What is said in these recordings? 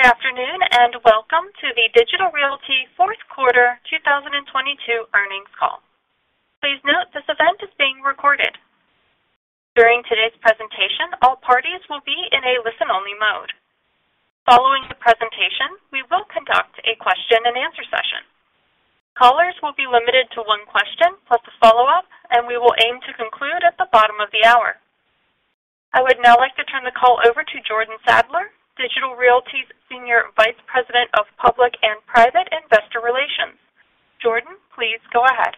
Good afternoon, and welcome to the Digital Realty fourth quarter 2022 earnings call. Please note this event is being recorded. During today's presentation, all parties will be in a listen-only mode. Following the presentation, we will conduct a question-and-answer session. Callers will be limited to one question plus a follow-up, and we will aim to conclude at the bottom of the hour. I would now like to turn the call over to Jordan Sadler, Digital Realty's Senior Vice President of Public and Private Investor Relations. Jordan, please go ahead.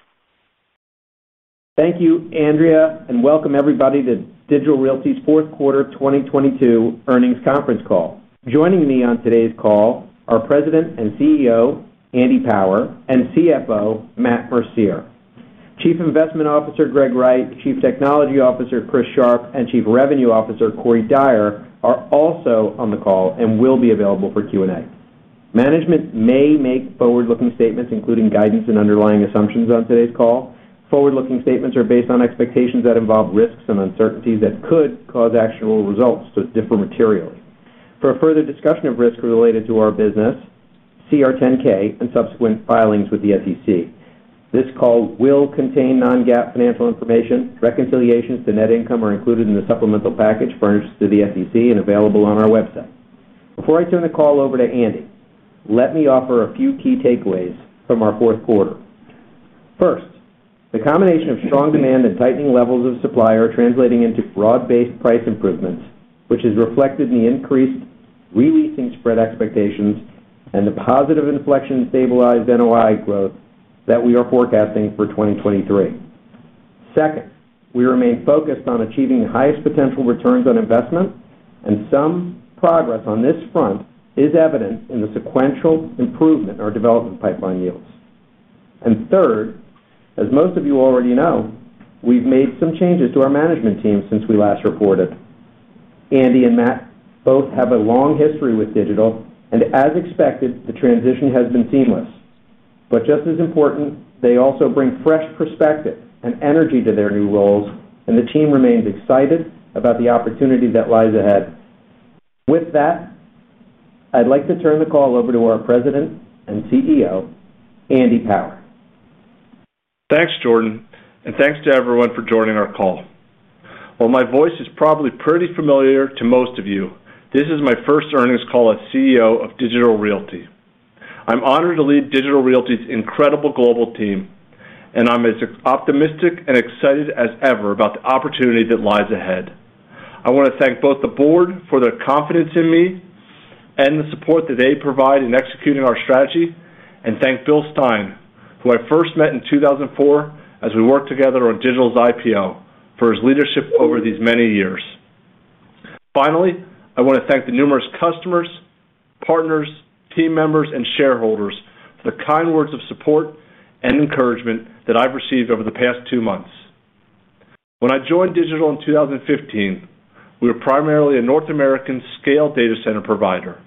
Thank you, Andrea, and welcome everybody to Digital Realty's fourth quarter 2022 earnings conference call. Joining me on today's call are President and CEO, Andy Power, and CFO, Matt Mercier. Chief Investment Officer, Greg Wright, Chief Technology Officer, Chris Sharp, and Chief Revenue Officer, Corey Dyer, are also on the call and will be available for Q&A. Management may make forward-looking statements, including guidance and underlying assumptions on today's call. Forward-looking statements are based on expectations that involve risks and uncertainties that could cause actual results to differ materially. For a further discussion of risks related to our business, see our 10-K and subsequent filings with the SEC. This call will contain non-GAAP financial information. Reconciliations to net income are included in the supplemental package furnished to the SEC and available on our website. Before I turn the call over to Andy, let me offer a few key takeaways from our fourth quarter. First, the combination of strong demand and tightening levels of supply are translating into broad-based price improvements, which is reflected in the increased re-leasing spread expectations and the positive inflection in stabilized NOI growth that we are forecasting for 2023. Second, we remain focused on achieving the highest potential returns on investment, and some progress on this front is evident in the sequential improvement in our development pipeline yields. Third, as most of you already know, we've made some changes to our management team since we last reported. Andy and Matt both have a long history with Digital, and as expected, the transition has been seamless. Just as important, they also bring fresh perspective and energy to their new roles, and the team remains excited about the opportunity that lies ahead. With that, I'd like to turn the call over to our President and CEO, Andy Power. Thanks, Jordan, and thanks to everyone for joining our call. While my voice is probably pretty familiar to most of you, this is my first earnings call as CEO of Digital Realty. I'm honored to lead Digital Realty's incredible global team, and I'm as optimistic and excited as ever about the opportunity that lies ahead. I want to thank both the board for their confidence in me and the support that they provide in executing our strategy, and thank Bill Stein, who I first met in 2004 as we worked together on Digital's IPO, for his leadership over these many years. Finally, I want to thank the numerous customers, partners, team members, and shareholders for the kind words of support and encouragement that I've received over the past two months. When I joined Digital in 2015, we were primarily a North American scale data center provider.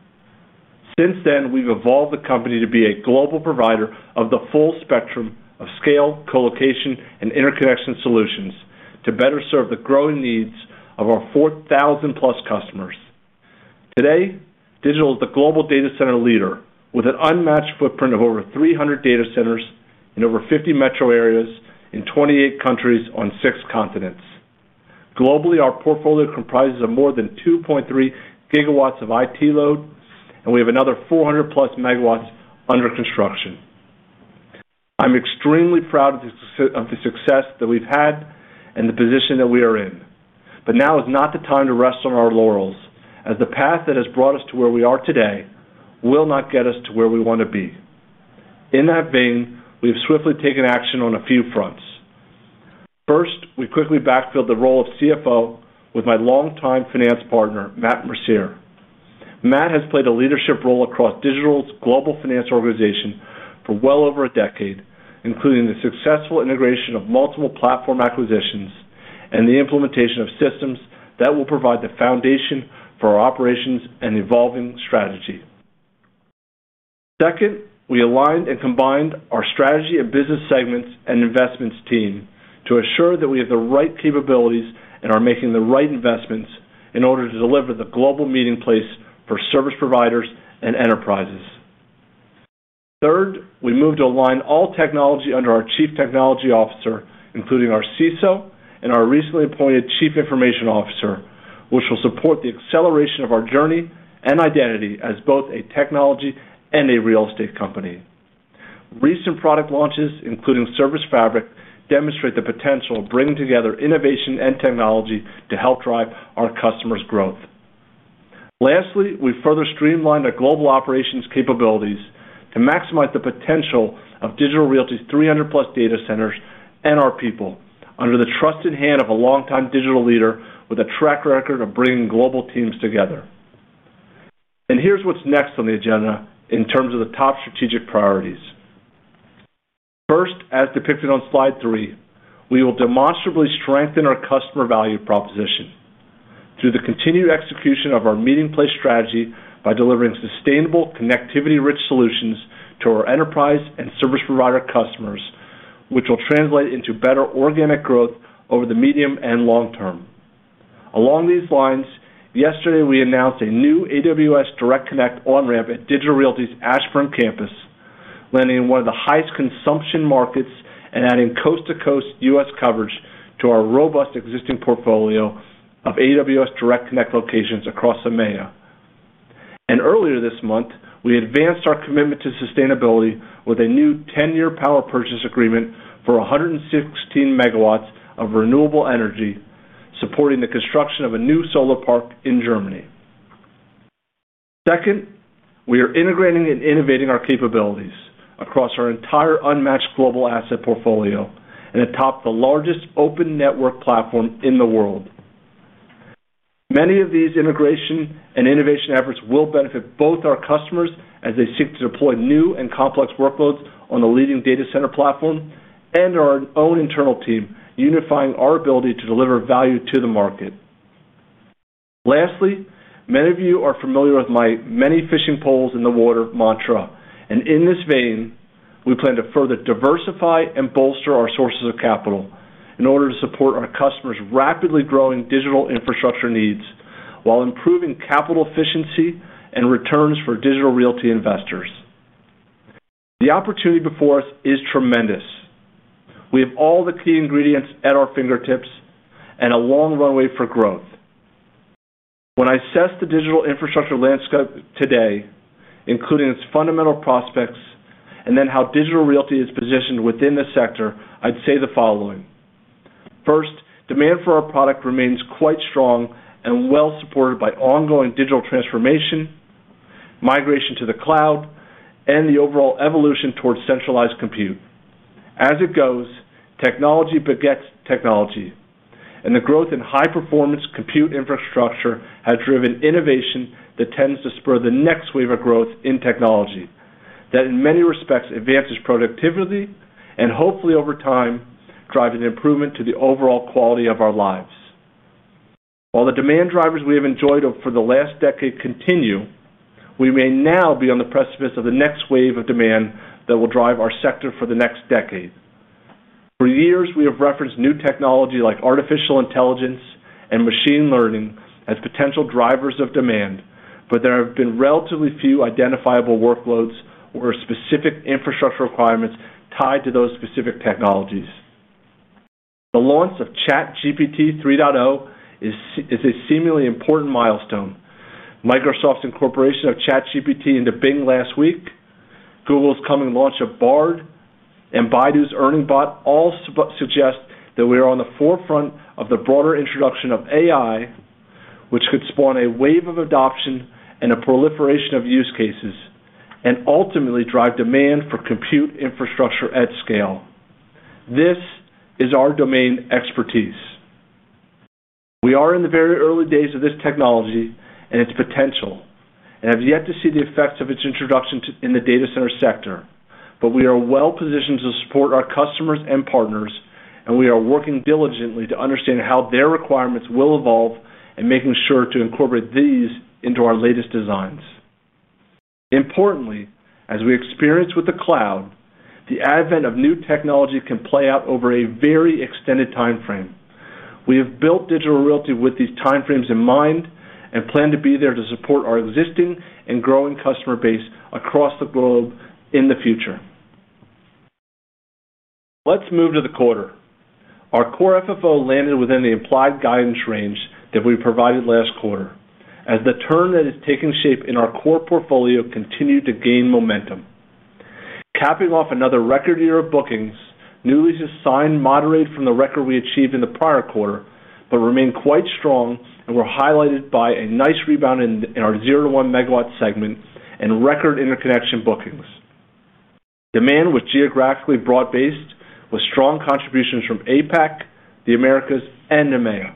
Since then, we've evolved the company to be a global provider of the full spectrum of scale, colocation, and interconnection solutions to better serve the growing needs of our 4,000+ customers. Today, Digital is the global data center leader with an unmatched footprint of over 300 data centers in over 50 metro areas in 28 countries on six continents. Globally, our portfolio comprises of more than 2.3 GW of IT load, and we have another 400+ MW under construction. I'm extremely proud of the success that we've had and the position that we are in. Now is not the time to rest on our laurels, as the path that has brought us to where we are today will not get us to where we want to be. In that vein, we've swiftly taken action on a few fronts. First, we quickly backfilled the role of CFO with my longtime finance partner, Matt Mercier. Matt has played a leadership role across Digital's global finance organization for well over a decade, including the successful integration of multiple platform acquisitions and the implementation of systems that will provide the foundation for our operations and evolving strategy. Second, we aligned and combined our strategy of business segments and investments team to ensure that we have the right capabilities and are making the right investments in order to deliver the global meeting place for service providers and enterprises. We moved to align all technology under our Chief Technology Officer, including our CISO and our recently appointed Chief Information Officer, which will support the acceleration of our journey and identity as both a technology and a real estate company. Recent product launches, including ServiceFabric, demonstrate the potential of bringing together innovation and technology to help drive our customers' growth. We further streamlined our global operations capabilities to maximize the potential of Digital Realty's 300+ data centers and our people under the trusted hand of a longtime digital leader with a track record of bringing global teams together. Here's what's next on the agenda in terms of the top strategic priorities. First, as depicted on slide 3, we will demonstrably strengthen our customer value proposition through the continued execution of our meeting place strategy by delivering sustainable connectivity-rich solutions to our enterprise and service provider customers, which will translate into better organic growth over the medium and long term. Along these lines, yesterday, we announced a new AWS Direct Connect on-ramp at Digital Realty's Ashburn campus, landing in one of the highest consumption markets and adding coast-to-coast U.S. coverage to our robust existing portfolio of AWS Direct Connect locations across EMEA. Earlier this month, we advanced our commitment to sustainability with a new 10-year power purchase agreement for 116 MW of renewable energy, supporting the construction of a new solar park in Germany. Second, we are integrating and innovating our capabilities across our entire unmatched global asset portfolio and atop the largest open network platform in the world. Many of these integration and innovation efforts will benefit both our customers as they seek to deploy new and complex workloads on the leading data center platform and our own internal team, unifying our ability to deliver value to the market. Lastly, many of you are familiar with my many fishing poles in the water mantra, and in this vein, we plan to further diversify and bolster our sources of capital in order to support our customers' rapidly growing digital infrastructure needs while improving capital efficiency and returns for Digital Realty investors. The opportunity before us is tremendous. We have all the key ingredients at our fingertips and a long runway for growth. When I assess the digital infrastructure landscape today, including its fundamental prospects and then how Digital Realty is positioned within the sector, I'd say the following. First, demand for our product remains quite strong and well supported by ongoing digital transformation, migration to the cloud, and the overall evolution towards centralized compute. As it goes, technology begets technology, and the growth in high-performance compute infrastructure has driven innovation that tends to spur the next wave of growth in technology that in many respects advances productivity and hopefully over time, driving improvement to the overall quality of our lives. While the demand drivers we have enjoyed for the last decade continue, we may now be on the precipice of the next wave of demand that will drive our sector for the next decade. For years, we have referenced new technology like artificial intelligence and machine learning as potential drivers of demand. There have been relatively few identifiable workloads or specific infrastructure requirements tied to those specific technologies. The launch of ChatGPT 3.0 is a seemingly important milestone. Microsoft's incorporation of ChatGPT into Bing last week, Google's coming launch of Bard, and Baidu's Ernie Bot all suggest that we are on the forefront of the broader introduction of AI, which could spawn a wave of adoption and a proliferation of use cases and ultimately drive demand for compute infrastructure at scale. This is our domain expertise. We are in the very early days of this technology and its potential, and have yet to see the effects of its introduction in the data center sector. We are well-positioned to support our customers and partners, and we are working diligently to understand how their requirements will evolve and making sure to incorporate these into our latest designs. Importantly, as we experience with the cloud, the advent of new technology can play out over a very extended time frame. We have built Digital Realty with these time frames in mind and plan to be there to support our existing and growing customer base across the globe in the future. Let's move to the quarter. Our Core FFO landed within the implied guidance range that we provided last quarter as the turn that is taking shape in our core portfolio continued to gain momentum. Capping off another record year of bookings, new leases signed moderated from the record we achieved in the prior quarter, but remained quite strong and were highlighted by a nice rebound in our 0-1 MW segment and record interconnection bookings. Demand was geographically broad-based with strong contributions from APAC, the Americas, and EMEA.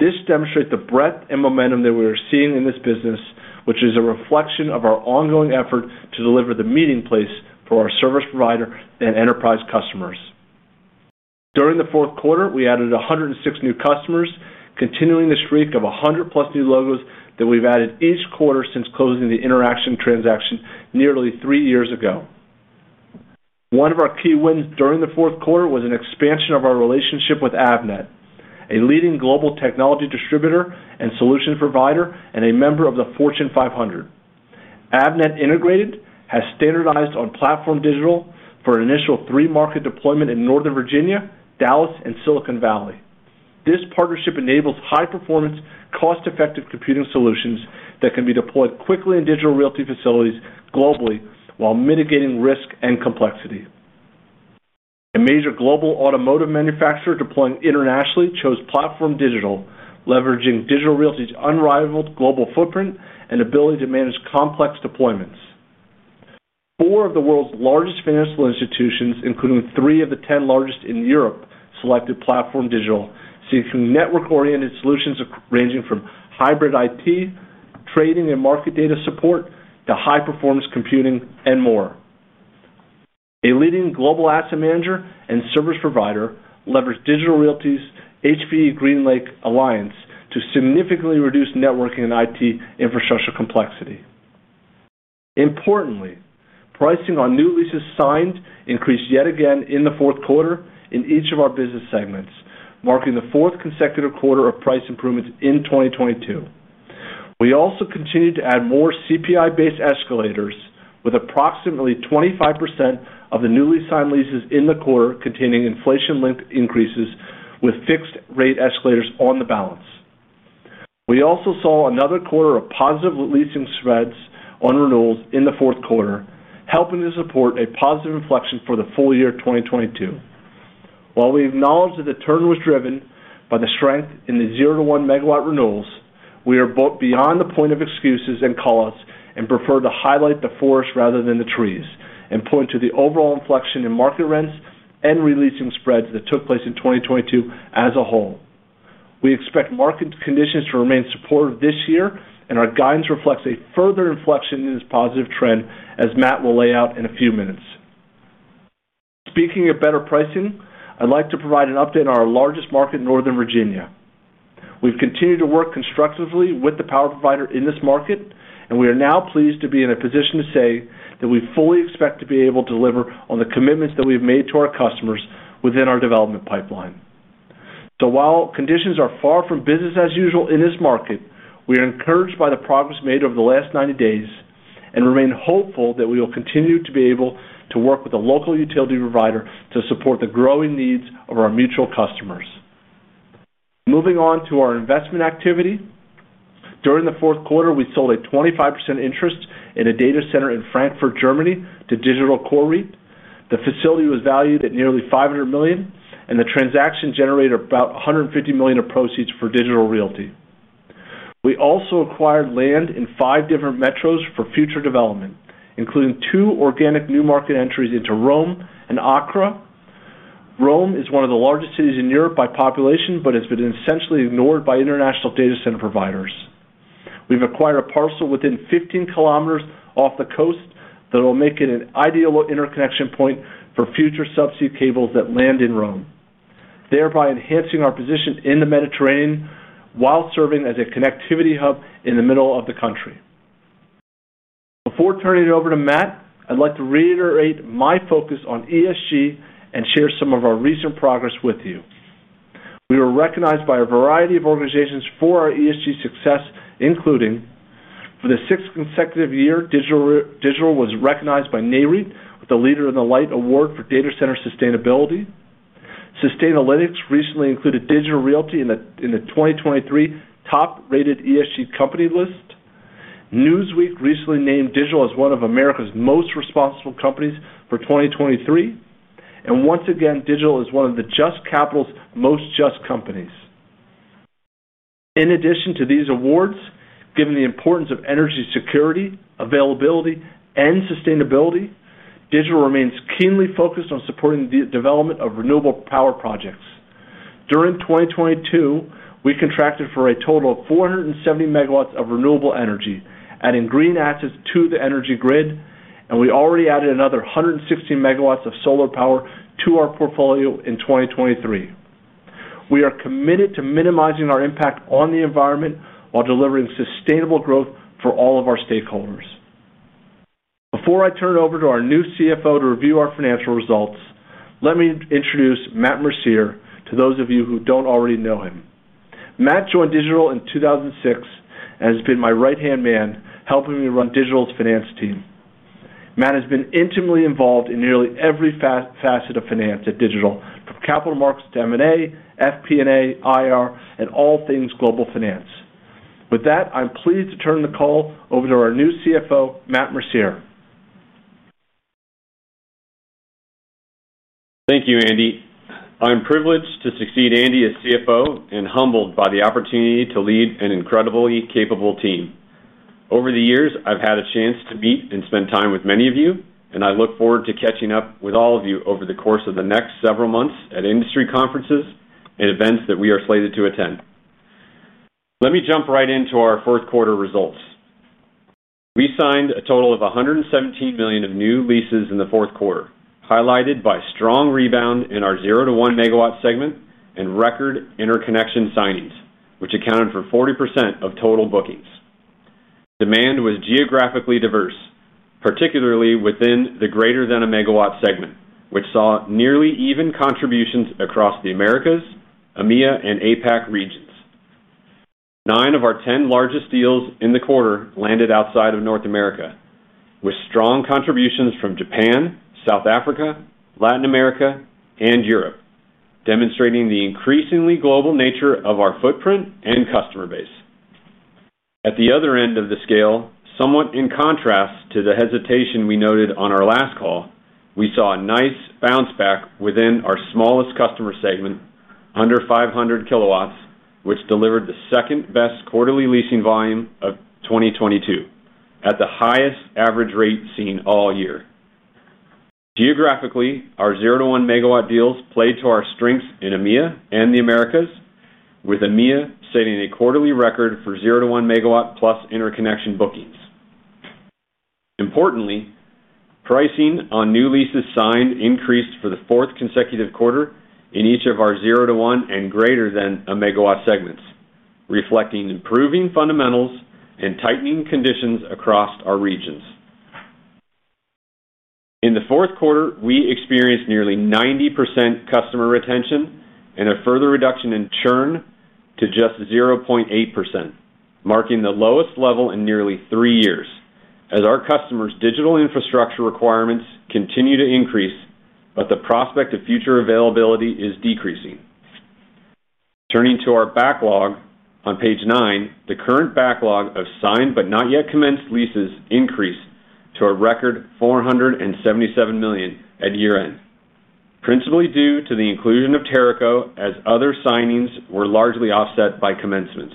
This demonstrates the breadth and momentum that we are seeing in this business, which is a reflection of our ongoing effort to deliver the meeting place for our service provider and enterprise customers. During the fourth quarter, we added 106 new customers, continuing the streak of 100+ new logos that we've added each quarter since closing the Interxion transaction nearly three years ago. One of our key wins during the fourth quarter was an expansion of our relationship with Avnet, a leading global technology distributor and solution provider, and a member of the Fortune 500. Avnet Integrated has standardized on PlatformDIGITAL for an initial three-market deployment in Northern Virginia, Dallas, and Silicon Valley. This partnership enables high-performance, cost-effective computing solutions that can be deployed quickly in Digital Realty facilities globally while mitigating risk and complexity. A major global automotive manufacturer deploying internationally chose PlatformDIGITAL, leveraging Digital Realty's unrivaled global footprint and ability to manage complex deployments. Four of the world's largest financial institutions, including three of the 10 largest in Europe, selected PlatformDIGITAL, seeking network-oriented solutions ranging from hybrid IT, trading and market data support to high-performance computing and more. A leading global asset manager and service provider leveraged Digital Realty's HPE GreenLake alliance to significantly reduce networking and IT infrastructure complexity. Importantly, pricing on new leases signed increased yet again in the fourth quarter in each of our business segments, marking the fourth consecutive quarter of price improvements in 2022. We also continued to add more CPI-based escalators with approximately 25% of the newly signed leases in the quarter containing inflation link increases with fixed rate escalators on the balance. We also saw another quarter of positive leasing spreads on renewals in the fourth quarter, helping to support a positive inflection for the full year 2022. While we acknowledge that the turn was driven by the strength in the 0-1 MW renewals, we are both beyond the point of excuses and call-outs, and prefer to highlight the forest rather than the trees, and point to the overall inflection in market rents and re-leasing spreads that took place in 2022 as a whole. We expect market conditions to remain supportive this year, and our guidance reflects a further inflection in this positive trend, as Matt will lay out in a few minutes. Speaking of better pricing, I'd like to provide an update on our largest market in Northern Virginia. We've continued to work constructively with the power provider in this market, and we are now pleased to be in a position to say that we fully expect to be able to deliver on the commitments that we've made to our customers within our development pipeline. While conditions are far from business as usual in this market, we are encouraged by the progress made over the last 90 days and remain hopeful that we will continue to be able to work with the local utility provider to support the growing needs of our mutual customers. Moving on to our investment activity. During the fourth quarter, we sold a 25% interest in a data center in Frankfurt, Germany to Digital Core REIT. The facility was valued at nearly $500 million, and the transaction generated about $150 million of proceeds for Digital Realty. We also acquired land in five different metros for future development, including two organic new market entries into Rome and Accra. Rome is one of the largest cities in Europe by population, it's been essentially ignored by international data center providers. We've acquired a parcel within 15 km off the coast that will make it an ideal interconnection point for future subsea cables that land in Rome, thereby enhancing our position in the Mediterranean while serving as a connectivity hub in the middle of the country. Before turning it over to Matt, I'd like to reiterate my focus on ESG and share some of our recent progress with you. We were recognized by a variety of organizations for our ESG success, including for the sixth consecutive year, Digital was recognized by Nareit with the Leader in the Light Award for data center sustainability. Sustainalytics recently included Digital Realty in the 2023 top-rated ESG company list. Newsweek recently named Digital as one of America's most responsible companies for 2023. Once again, Digital is one of the Just Capital's Most Just companies. In addition to these awards, given the importance of energy security, availability, and sustainability, Digital remains keenly focused on supporting the development of renewable power projects. During 2022, we contracted for a total of 470 MW of renewable energy, adding green assets to the energy grid, and we already added another 160 MW of solar power to our portfolio in 2023. We are committed to minimizing our impact on the environment while delivering sustainable growth for all of our stakeholders. Before I turn it over to our new CFO to review our financial results, let me introduce Matt Mercier to those of you who don't already know him. Matt joined Digital in 2006 and has been my right-hand man, helping me run Digital's finance team. Matt has been intimately involved in nearly every facet of finance at Digital, from capital markets to M&A, FP&A, IR, and all things global finance. With that, I'm pleased to turn the call over to our new CFO, Matt Mercier. Thank you, Andy. I'm privileged to succeed Andy as CFO and humbled by the opportunity to lead an incredibly capable team. Over the years, I've had a chance to meet and spend time with many of you. I look forward to catching up with all of you over the course of the next several months at industry conferences and events that we are slated to attend. Let me jump right into our fourth quarter results. We signed a total of $117 million of new leases in the fourth quarter, highlighted by strong rebound in our 0-1 MW segment and record interconnection signings, which accounted for 40% of total bookings. Demand was geographically diverse, particularly within the greater than 1 MW segment, which saw nearly even contributions across the Americas, EMEA, and APAC regions. Nine of our 10 largest deals in the quarter landed outside of North America, with strong contributions from Japan, South Africa, Latin America, and Europe, demonstrating the increasingly global nature of our footprint and customer base. At the other end of the scale, somewhat in contrast to the hesitation we noted on our last call, we saw a nice bounce back within our smallest customer segment, under 500 kW, which delivered the second-best quarterly leasing volume of 2022 at the highest average rate seen all year. Geographically, our 0-1 MW deals played to our strengths in EMEA and the Americas, with EMEA setting a quarterly record for 0-1 MW plus interconnection bookings. Importantly, pricing on new leases signed increased for the fourth consecutive quarter in each of our 0 to 1 and greater than a megawatt segments, reflecting improving fundamentals and tightening conditions across our regions. In the fourth quarter, we experienced nearly 90% customer retention and a further reduction in churn to just 0.8%, marking the lowest level in nearly three years as our customers' digital infrastructure requirements continue to increase, but the prospect of future availability is decreasing. Turning to our backlog on page nine, the current backlog of signed but not yet commenced leases increased to a record $477 million at year-end, principally due to the inclusion of Teraco as other signings were largely offset by commencements.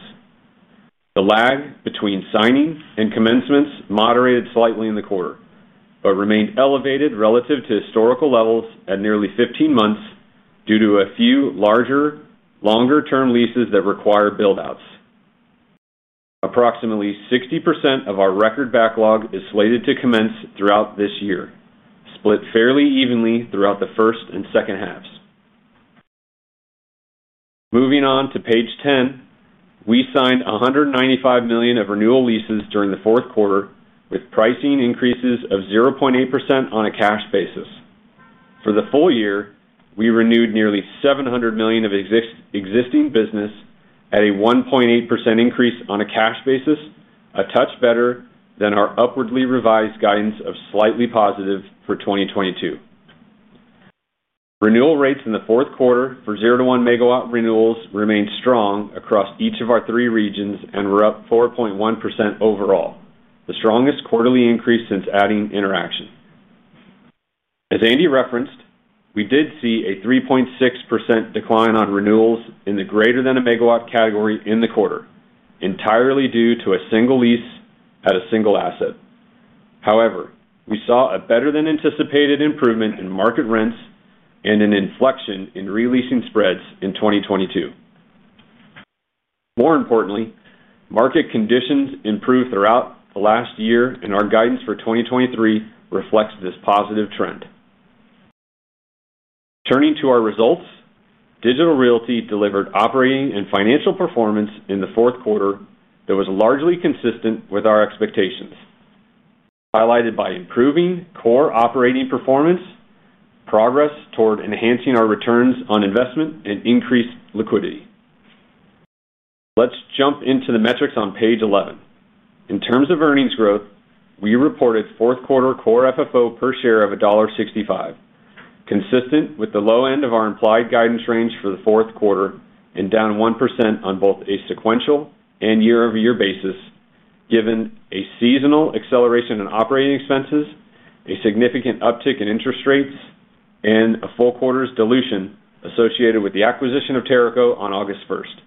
The lag between signings and commencements moderated slightly in the quarter, remained elevated relative to historical levels at nearly 15 months due to a few larger, longer-term leases that require build-outs. Approximately 60% of our record backlog is slated to commence throughout this year, split fairly evenly throughout the first and second halves. Moving on to page 10. We signed $195 million of renewal leases during the fourth quarter, with pricing increases of 0.8% on a cash basis. For the full year, we renewed nearly $700 million of existing business at a 1.8% increase on a cash basis, a touch better than our upwardly revised guidance of slightly positive for 2022. Renewal rates in the fourth quarter for 0-1 MW renewals remained strong across each of our three regions and were up 4.1% overall, the strongest quarterly increase since adding Interxion. As Andy referenced, we did see a 3.6% decline on renewals in the greater than 1 MW category in the quarter, entirely due to a single lease at a single asset. However, we saw a better than anticipated improvement in market rents and an inflection in re-leasing spreads in 2022. More importantly, market conditions improved throughout the last year, and our guidance for 2023 reflects this positive trend. Turning to our results, Digital Realty delivered operating and financial performance in the fourth quarter that was largely consistent with our expectations, highlighted by improving core operating performance, progress toward enhancing our returns on investment, and increased liquidity. Let's jump into the metrics on page 11. In terms of earnings growth, we reported fourth quarter Core FFO per share of $1.65, consistent with the low end of our implied guidance range for the fourth quarter and down 1% on both a sequential and year-over-year basis, given a seasonal acceleration in operating expenses, a significant uptick in interest rates, and a full quarter's dilution associated with the acquisition of Teraco on August 1st.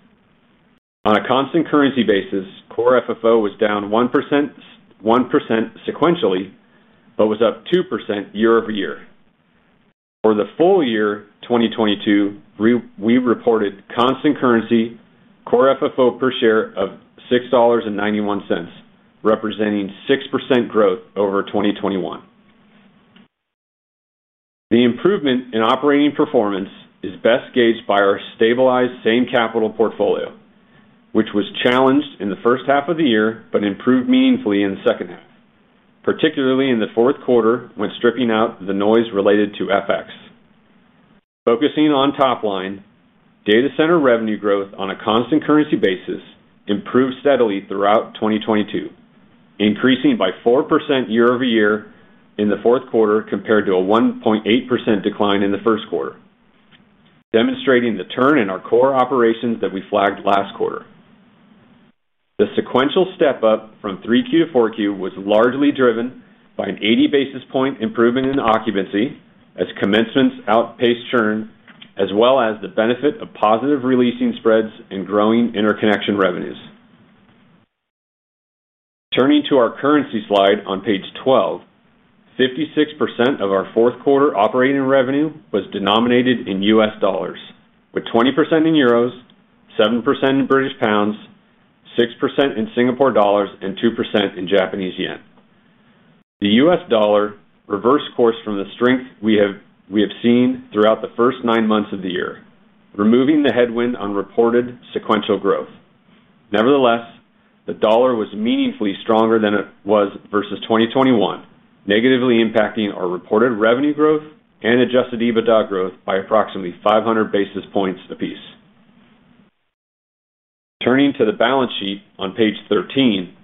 On a constant currency basis, Core FFO was down 1%, 1% sequentially, but was up 2% year-over-year. For the full year 2022, we reported constant currency Core FFO per share of $6.91, representing 6% growth over 2021. The improvement in operating performance is best gauged by our stabilized same capital portfolio, which was challenged in the first half of the year, but improved meaningfully in the second half, particularly in the fourth quarter when stripping out the noise related to FX. Focusing on top line, data center revenue growth on a constant currency basis improved steadily throughout 2022, increasing by 4% year-over-year in the fourth quarter, compared to a 1.8% decline in the first quarter, demonstrating the turn in our core operations that we flagged last quarter. The sequential step up from three Q to four Q was largely driven by an 80 basis point improvement in occupancy as commencements outpaced churn, as well as the benefit of positive releasing spreads and growing interconnection revenues. Turning to our currency slide on page 12, 56% of our fourth quarter operating revenue was denominated in U.S. dollars, with 20% in euros, 7% in British pounds, 6% in Singapore dollars, and 2% in Japanese yen. The U.S. dollar reversed course from the strength we have seen throughout the first nine months of the year, removing the headwind on reported sequential growth. Nevertheless, the dollar was meaningfully stronger than it was versus 2021, negatively impacting our reported revenue growth and adjusted EBITDA growth by approximately 500 basis points apiece. Turning to the balance sheet on page 13,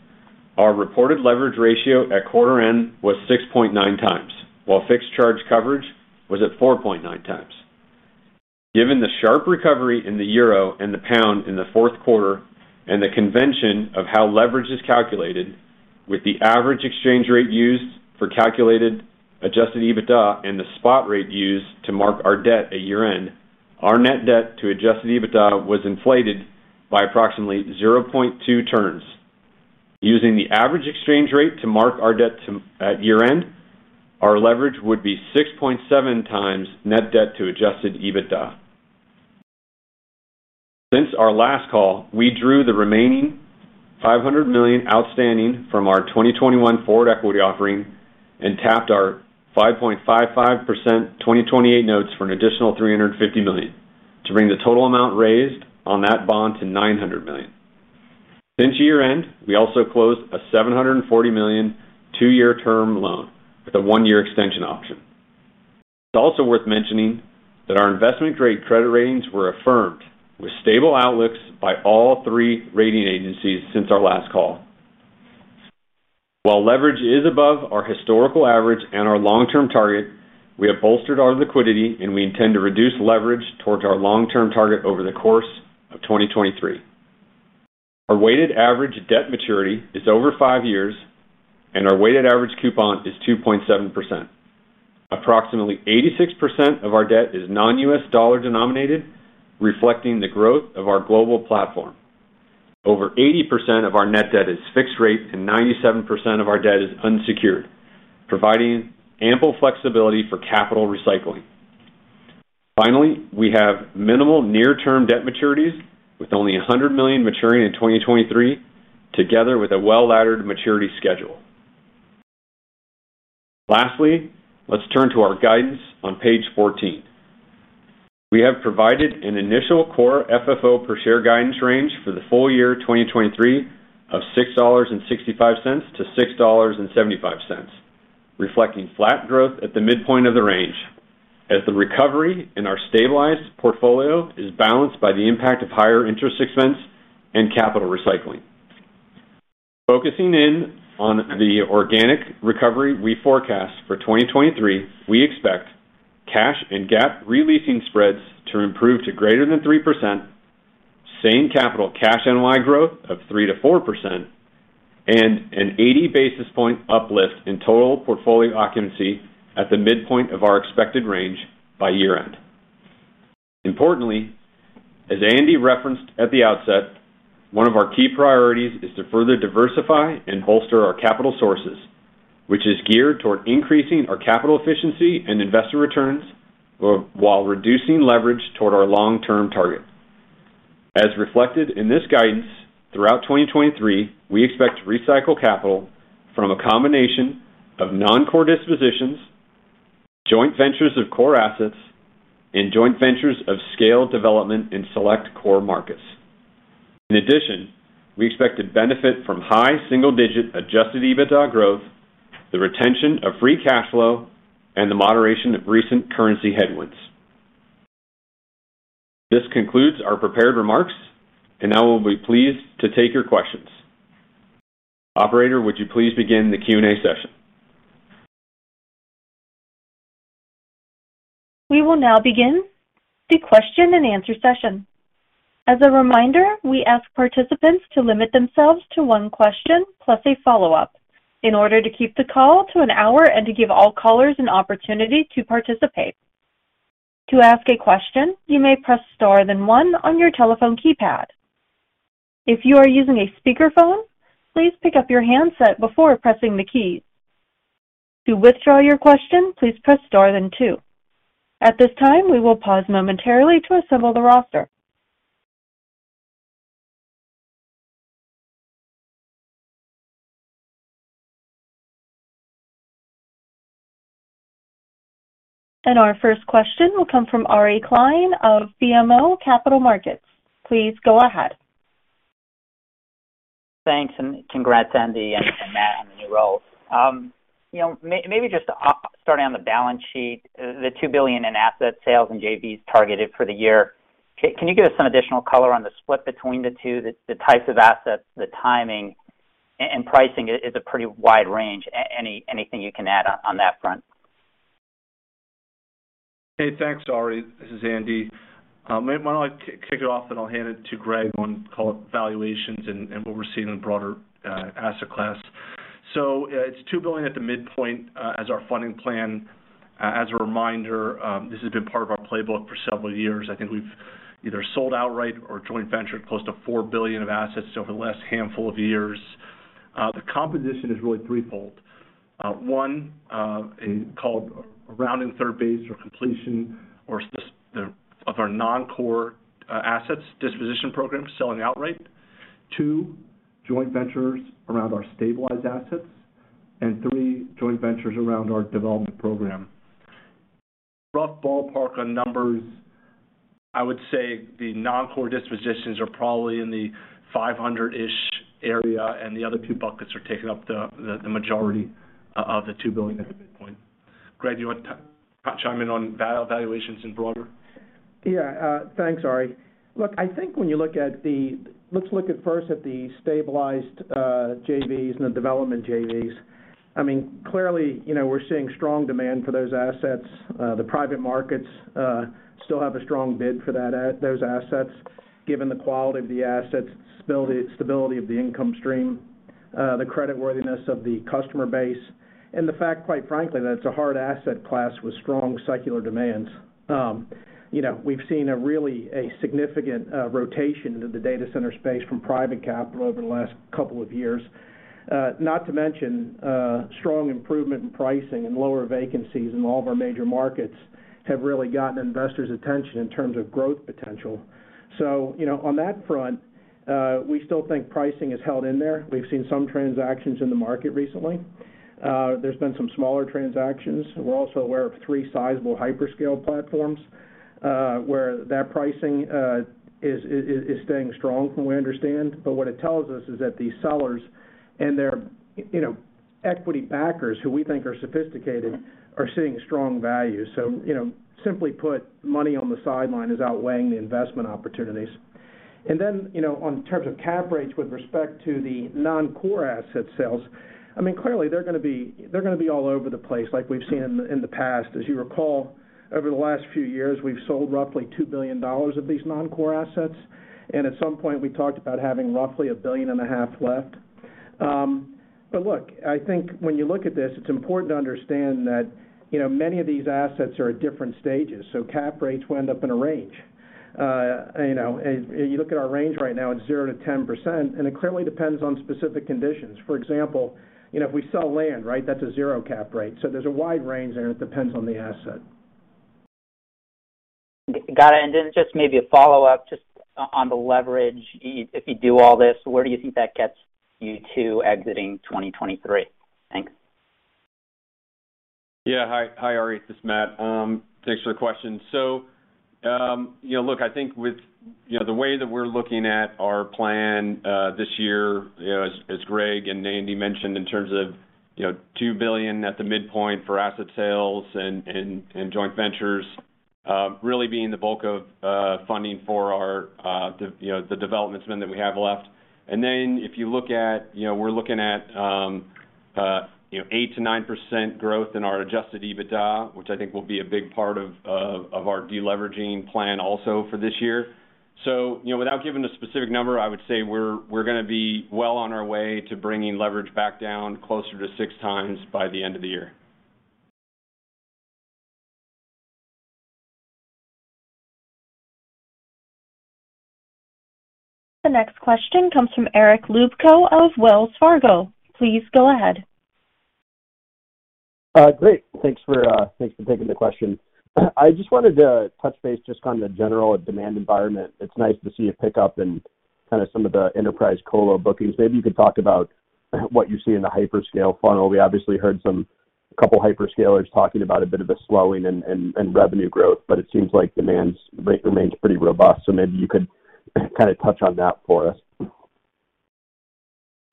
our reported leverage ratio at quarter end was 6.9x, while fixed charge coverage was at 4.9x. Given the sharp recovery in the euro and the pound in the fourth quarter, and the convention of how leverage is calculated with the average exchange rate used for calculated adjusted EBITDA and the spot rate used to mark our debt at year-end, our net debt to adjusted EBITDA was inflated by approximately 0.2 turns. Using the average exchange rate to mark our debt at year-end, our leverage would be 6.7x net debt-to-adjusted-EBITDA. Since our last call, we drew the remaining $500 million outstanding from our 2021 forward equity offering and tapped our 5.55% 2028 notes for an additional $350 million to bring the total amount raised on that bond to $900 million. Since year-end, we also closed a $740 million two-year term loan with a one-year extension option. It's also worth mentioning that our investment grade credit ratings were affirmed with stable outlooks by all three rating agencies since our last call. While leverage is above our historical average and our long-term target, we have bolstered our liquidity, and we intend to reduce leverage towards our long-term target over the course of 2023. Our weighted average debt maturity is over five years, and our weighted average coupon is 2.7%. Approximately 86% of our debt is non-U.S. dollar-denominated, reflecting the growth of our global platform. Over 80% of our net debt is fixed rate, and 97% of our debt is unsecured, providing ample flexibility for capital recycling. We have minimal near term debt maturities with only $100 million maturing in 2023, together with a well-laddered maturity schedule. Let's turn to our guidance on page 14. We have provided an initial Core FFO per share guidance range for the full year 2023 of $6.65-$6.75, reflecting flat growth at the midpoint of the range as the recovery in our stabilized portfolio is balanced by the impact of higher interest expense and capital recycling. Focusing in on the organic recovery we forecast for 2023, we expect cash and GAAP re-leasing spreads to improve to greater than 3%, same capital cash NOI growth of 3%-4%, and an 80 basis point uplift in total portfolio occupancy at the midpoint of our expected range by year-end. Importantly, as Andy referenced at the outset, one of our key priorities is to further diversify and bolster our capital sources, which is geared toward increasing our capital efficiency and investor returns while reducing leverage toward our long-term targets. As reflected in this guidance, throughout 2023, we expect to recycle capital from a combination of non-core dispositions, joint ventures of core assets, and joint ventures of scale development in select core markets. In addition, we expect to benefit from high-single-digit adjusted EBITDA growth, the retention of free cash flow, and the moderation of recent currency headwinds. This concludes our prepared remarks and now we'll be pleased to take your questions. Operator, would you please begin the Q&A session? We will now begin the question and answer session. As a reminder, we ask participants to limit themselves to one question plus a follow-up in order to keep the call to an hour and to give all callers an opportunity to participate. To ask a question, you may press star then one on your telephone keypad. If you are using a speakerphone, please pick up your handset before pressing the keys. To withdraw your question, please press star then two. At this time, we will pause momentarily to assemble the roster. Our first question will come from Ari Klein of BMO Capital Markets. Please go ahead. Thanks, and congrats, Andy and Matt, on the new role. You know, maybe just starting on the balance sheet, the $2 billion in asset sales and JVs targeted for the year. Can you give us some additional color on the split between the two, the types of assets, the timing, and pricing is a pretty wide range. Anything you can add on that front? Hey, thanks, Ari. This is Andy. Might I kick it off, and I'll hand it to Greg on call valuations and what we're seeing in broader asset class. It's $2 billion at the midpoint as our funding plan. As a reminder, this has been part of our playbook for several years. I think we've either sold outright or joint ventured close to $4 billion of assets over the last handful of years. The composition is really threefold. One is called rounding third base or completion or the of our non-core assets disposition program, selling outright. Two, joint ventures around our stabilized assets. Three, joint ventures around our development program. Rough ballpark on numbers, I would say the non-core dispositions are probably in the $500 million-ish area, and the other two buckets are taking up the majority of the $2 billion at the midpoint. Greg, do you want to chime in on valuations and broader? Yeah. Thanks, Ari. Look, I think when you look at the... Let's look at first at the stabilized JVs and the development JVs. I mean, clearly, you know, we're seeing strong demand for those assets. The private markets still have a strong bid for those assets, given the quality of the assets, stability of the income stream, the credit worthiness of the customer base, and the fact, quite frankly, that it's a hard asset class with strong secular demands. you know, we've seen a really, a significant rotation into the data center space from private capital over the last couple of years. not to mention, strong improvement in pricing and lower vacancies in all of our major markets. Have really gotten investors' attention in terms of growth potential. you know, on that front, we still think pricing is held in there. We've seen some transactions in the market recently. There's been some smaller transactions. We're also aware of three sizable hyperscale platforms, where that pricing is staying strong from what we understand. What it tells us is that these sellers and their, you know, equity backers, who we think are sophisticated, are seeing strong value. you know, simply put, money on the sideline is outweighing the investment opportunities. then, you know, on terms of cap rates with respect to the non-core asset sales, I mean, clearly, they're gonna be all over the place like we've seen in the past. As you recall, over the last few years, we've sold roughly $2 billion of these non-core assets. At some point, we talked about having roughly a $1.5 billion Left. Look, I think when you look at this, it's important to understand that, you know, many of these assets are at different stages, so cap rates will end up in a range. You know, you look at our range right now, it's 0%-10%, and it clearly depends on specific conditions. For example, you know, if we sell land, right, that's a 0% cap rate. There's a wide range there, and it depends on the asset. Got it. Then just maybe a follow-up just on the leverage. If you do all this, where do you think that gets you to exiting 2023? Thanks. Hi, Ari. It's Matt. Thanks for the question. You know, look, I think with, you know, the way that we're looking at our plan, this year, you know, as Greg and Andy mentioned in terms of, you know, $2 billion at the midpoint for asset sales and joint ventures, really being the bulk of funding for our, you know, the development spend that we have left. If you look at, you know, we're looking at, you know, 8%-9% growth in our adjusted EBITDA, which I think will be a big part of our deleveraging plan also for this year. You know, without giving a specific number, I would say we're gonna be well on our way to bringing leverage back down closer to 6x by the end of the year. The next question comes from Eric Luebchow of Wells Fargo. Please go ahead. Great. Thanks for, thanks for taking the question. I just wanted to touch base just on the general demand environment. It's nice to see a pickup in kind of some of the enterprise colo bookings. Maybe you could talk about what you see in the hyperscale funnel. We obviously heard some couple hyperscalers talking about a bit of a slowing in revenue growth, but it seems like demand remains pretty robust. Maybe you could kind of touch on that for us.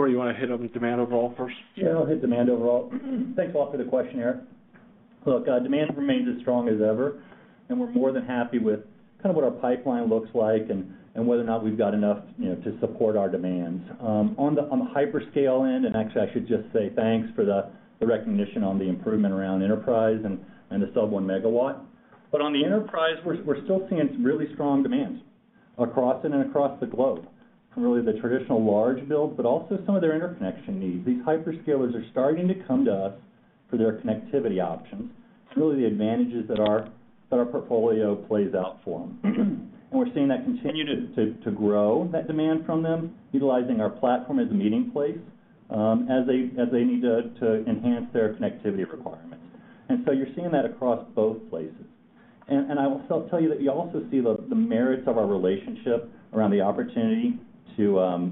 You wanna hit on demand overall first? Yeah, I'll hit demand overall. Thanks a lot for the question, Eric. Look, demand remains as strong as ever. We're more than happy with kind of what our pipeline looks like and whether or not we've got enough, you know, to support our demands. On the hyperscale end, actually I should just say thanks for the recognition on the improvement around enterprise and the sub 1 MW. On the enterprise, we're still seeing some really strong demand across it and across the globe from really the traditional large build, but also some of their interconnection needs. These hyperscalers are starting to come to us for their connectivity options. It's really the advantages that our portfolio plays out for them. We're seeing that continue to grow that demand from them, utilizing our platform as a meeting place, as they need to enhance their connectivity requirements. You're seeing that across both places. I'll still tell you that you also see the merits of our relationship around the opportunity to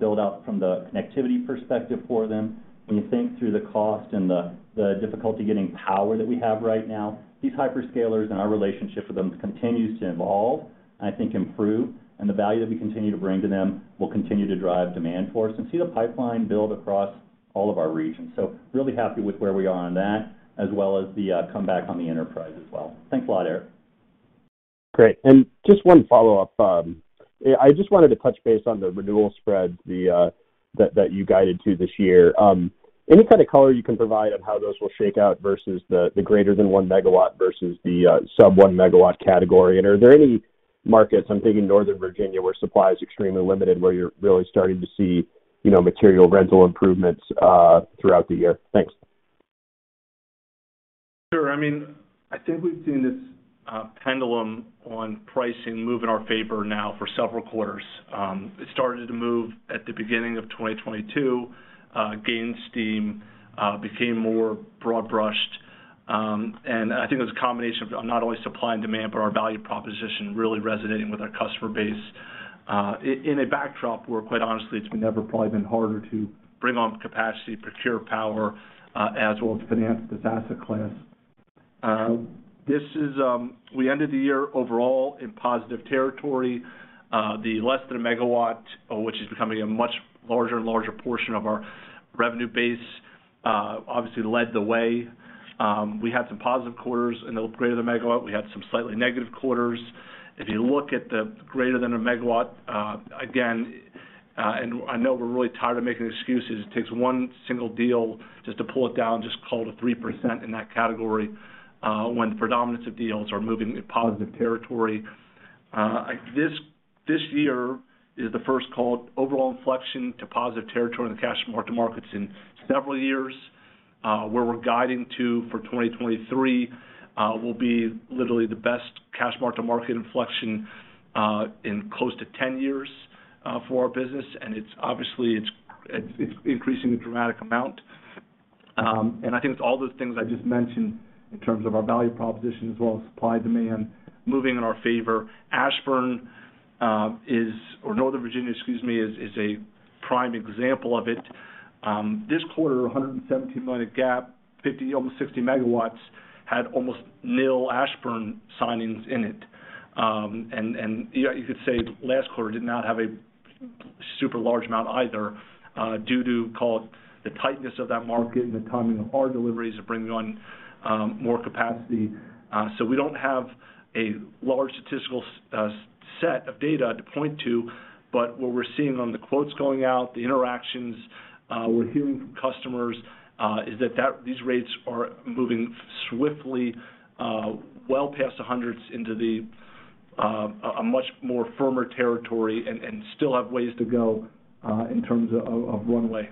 build out from the connectivity perspective for them. When you think through the cost and the difficulty getting power that we have right now, these hyperscalers and our relationship with them continues to evolve, and I think improve. The value that we continue to bring to them will continue to drive demand for us and see the pipeline build across all of our regions. Really happy with where we are on that, as well as the comeback on the enterprise as well. Thanks a lot, Eric. Great. Just one follow-up. I just wanted to touch base on the renewal spread that you guided to this year. Any kind of color you can provide on how those will shake out versus the greater than 1 MW versus the sub 1 MW category? Are there any markets, I'm thinking Northern Virginia, where supply is extremely limited, where you're really starting to see, you know, material rental improvements throughout the year? Thanks. Sure. I mean, I think we've seen this pendulum on pricing move in our favor now for several quarters. It started to move at the beginning of 2022, gained steam, became more broad-brushed. I think it was a combination of not only supply and demand, but our value proposition really resonating with our customer base in a backdrop where, quite honestly, it's never probably been harder to bring on capacity, procure power, as well as finance this asset class. We ended the year overall in positive territory. The less than a megawatt, which is becoming a much larger and larger portion of our revenue base, obviously led the way. We had some positive quarters in the greater than a megawatt. We had some slightly negative quarters. If you look at the greater than a megawatt, again, I know we're really tired of making excuses. It takes one single deal just to pull it down, just call it a 3% in that category, when the predominance of deals are moving in positive territory. This year is the first called overall inflection to positive territory in the cash mark-to-markets in several years. Where we're guiding to for 2023 will be literally the best cash mark-to-market inflection in close to 10 years for our business, and it's obviously it's increasing a dramatic amount. I think it's all those things I just mentioned in terms of our value proposition as well as supply-demand moving in our favor. Ashburn, or Northern Virginia, excuse me, is a prime example of it. This quarter, $170 million GAAP, 50, almost 60 MW had almost nil Ashburn signings in it. You could say last quarter did not have a super large amount either, due to, call it, the tightness of that market and the timing of our deliveries are bringing on more capacity. We don't have a large statistical set of data to point to, but what we're seeing on the quotes going out, the interactions, we're hearing from customers, is that these rates are moving swiftly, well past the hundreds into a much more firmer territory and still have ways to go in terms of runway.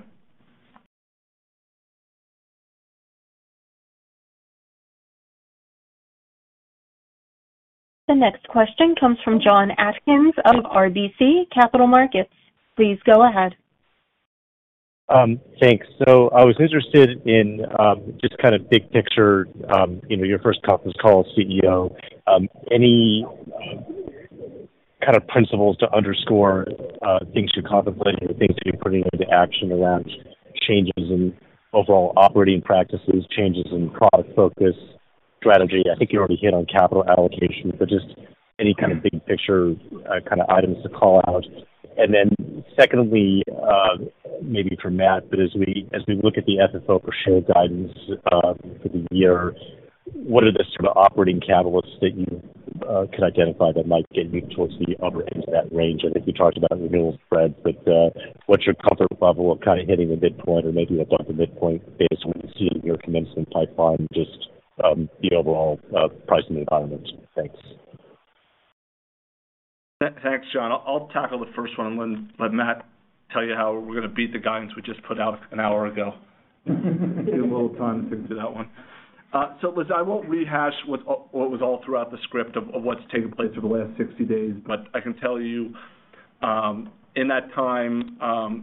The next question comes from Jon Atkin of RBC Capital Markets. Please go ahead. Thanks. I was interested in just kind of big picture, your first conference call as CEO. Any kind of principles to underscore things you contemplate or things that you're putting into action around changes in overall operating practices, changes in product focus, strategy. I think you already hit on capital allocation, but just any kind of big picture kind of items to call out. Secondly, maybe for Matt, but as we look at the FFO per share guidance for the year, what are the sort of operating catalysts that you can identify that might get you towards the upper end of that range? I think you talked about renewal spreads, but what's your comfort level of kinda hitting the midpoint or maybe above the midpoint based on what you see in your commencement pipeline, just the overall pricing environment? Thanks. Thanks, Jon. I'll tackle the first one and let Matt tell you how we're gonna beat the guidance we just put out an hour ago. Give him a little time to think through that one. Listen, I won't rehash what was all throughout the script of what's taken place over the last 60 days, but I can tell you, in that time, I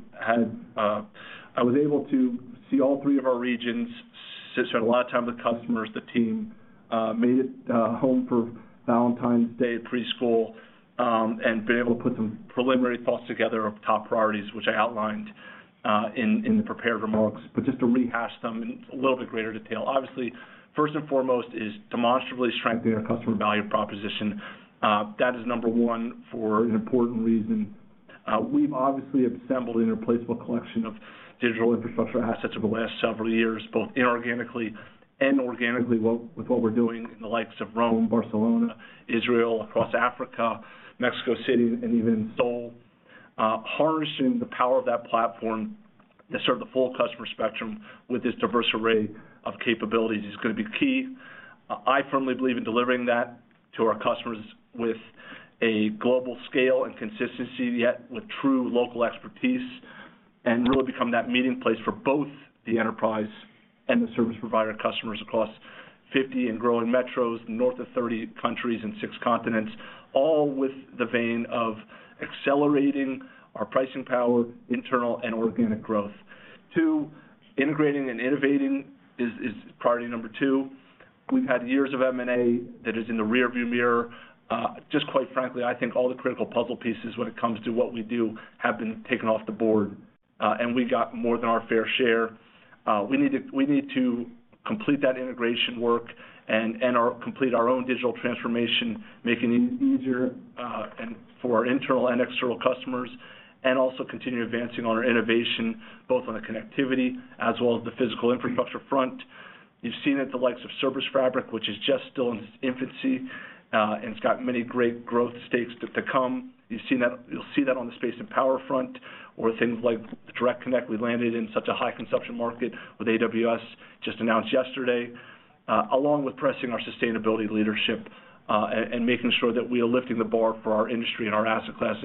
was able to see all three of our regions, sit a lot of time with customers, the team, made it home for Valentine's Day preschool, and been able to put some preliminary thoughts together of top priorities, which I outlined in the prepared remarks. Just to rehash them in a little bit greater detail. Obviously, first and foremost is demonstrably strengthening our customer value proposition. That is number one for an important reason. We've obviously assembled an irreplaceable collection of digital infrastructure assets over the last several years, both inorganically and organically with what we're doing in the likes of Rome, Barcelona, Israel, across Africa, Mexico City, and even Seoul. Harnessing the power of that platform to serve the full customer spectrum with this diverse array of capabilities is gonna be key. I firmly believe in delivering that to our customers with a global scale and consistency, yet with true local expertise, and really become that meeting place for both the enterprise and the service provider customers across 50 and growing metros, north of 30 countries and six continents, all with the vein of accelerating our pricing power, internal and organic growth. 2. Integrating and innovating is priority number two. We've had years of M&A that is in the rearview mirror. Just quite frankly, I think all the critical puzzle pieces when it comes to what we do have been taken off the board, and we got more than our fair share. We need to complete that integration work and complete our own digital transformation, making it easier for our internal and external customers, and also continue advancing on our innovation, both on the connectivity as well as the physical infrastructure front. You've seen it, the likes of ServiceFabric, which is just still in its infancy, and it's got many great growth stakes to come. You'll see that on the space and power front or things like Direct Connect. We landed in such a high consumption market with AWS, just announced yesterday, along with pressing our sustainability leadership, and making sure that we are lifting the bar for our industry and our asset class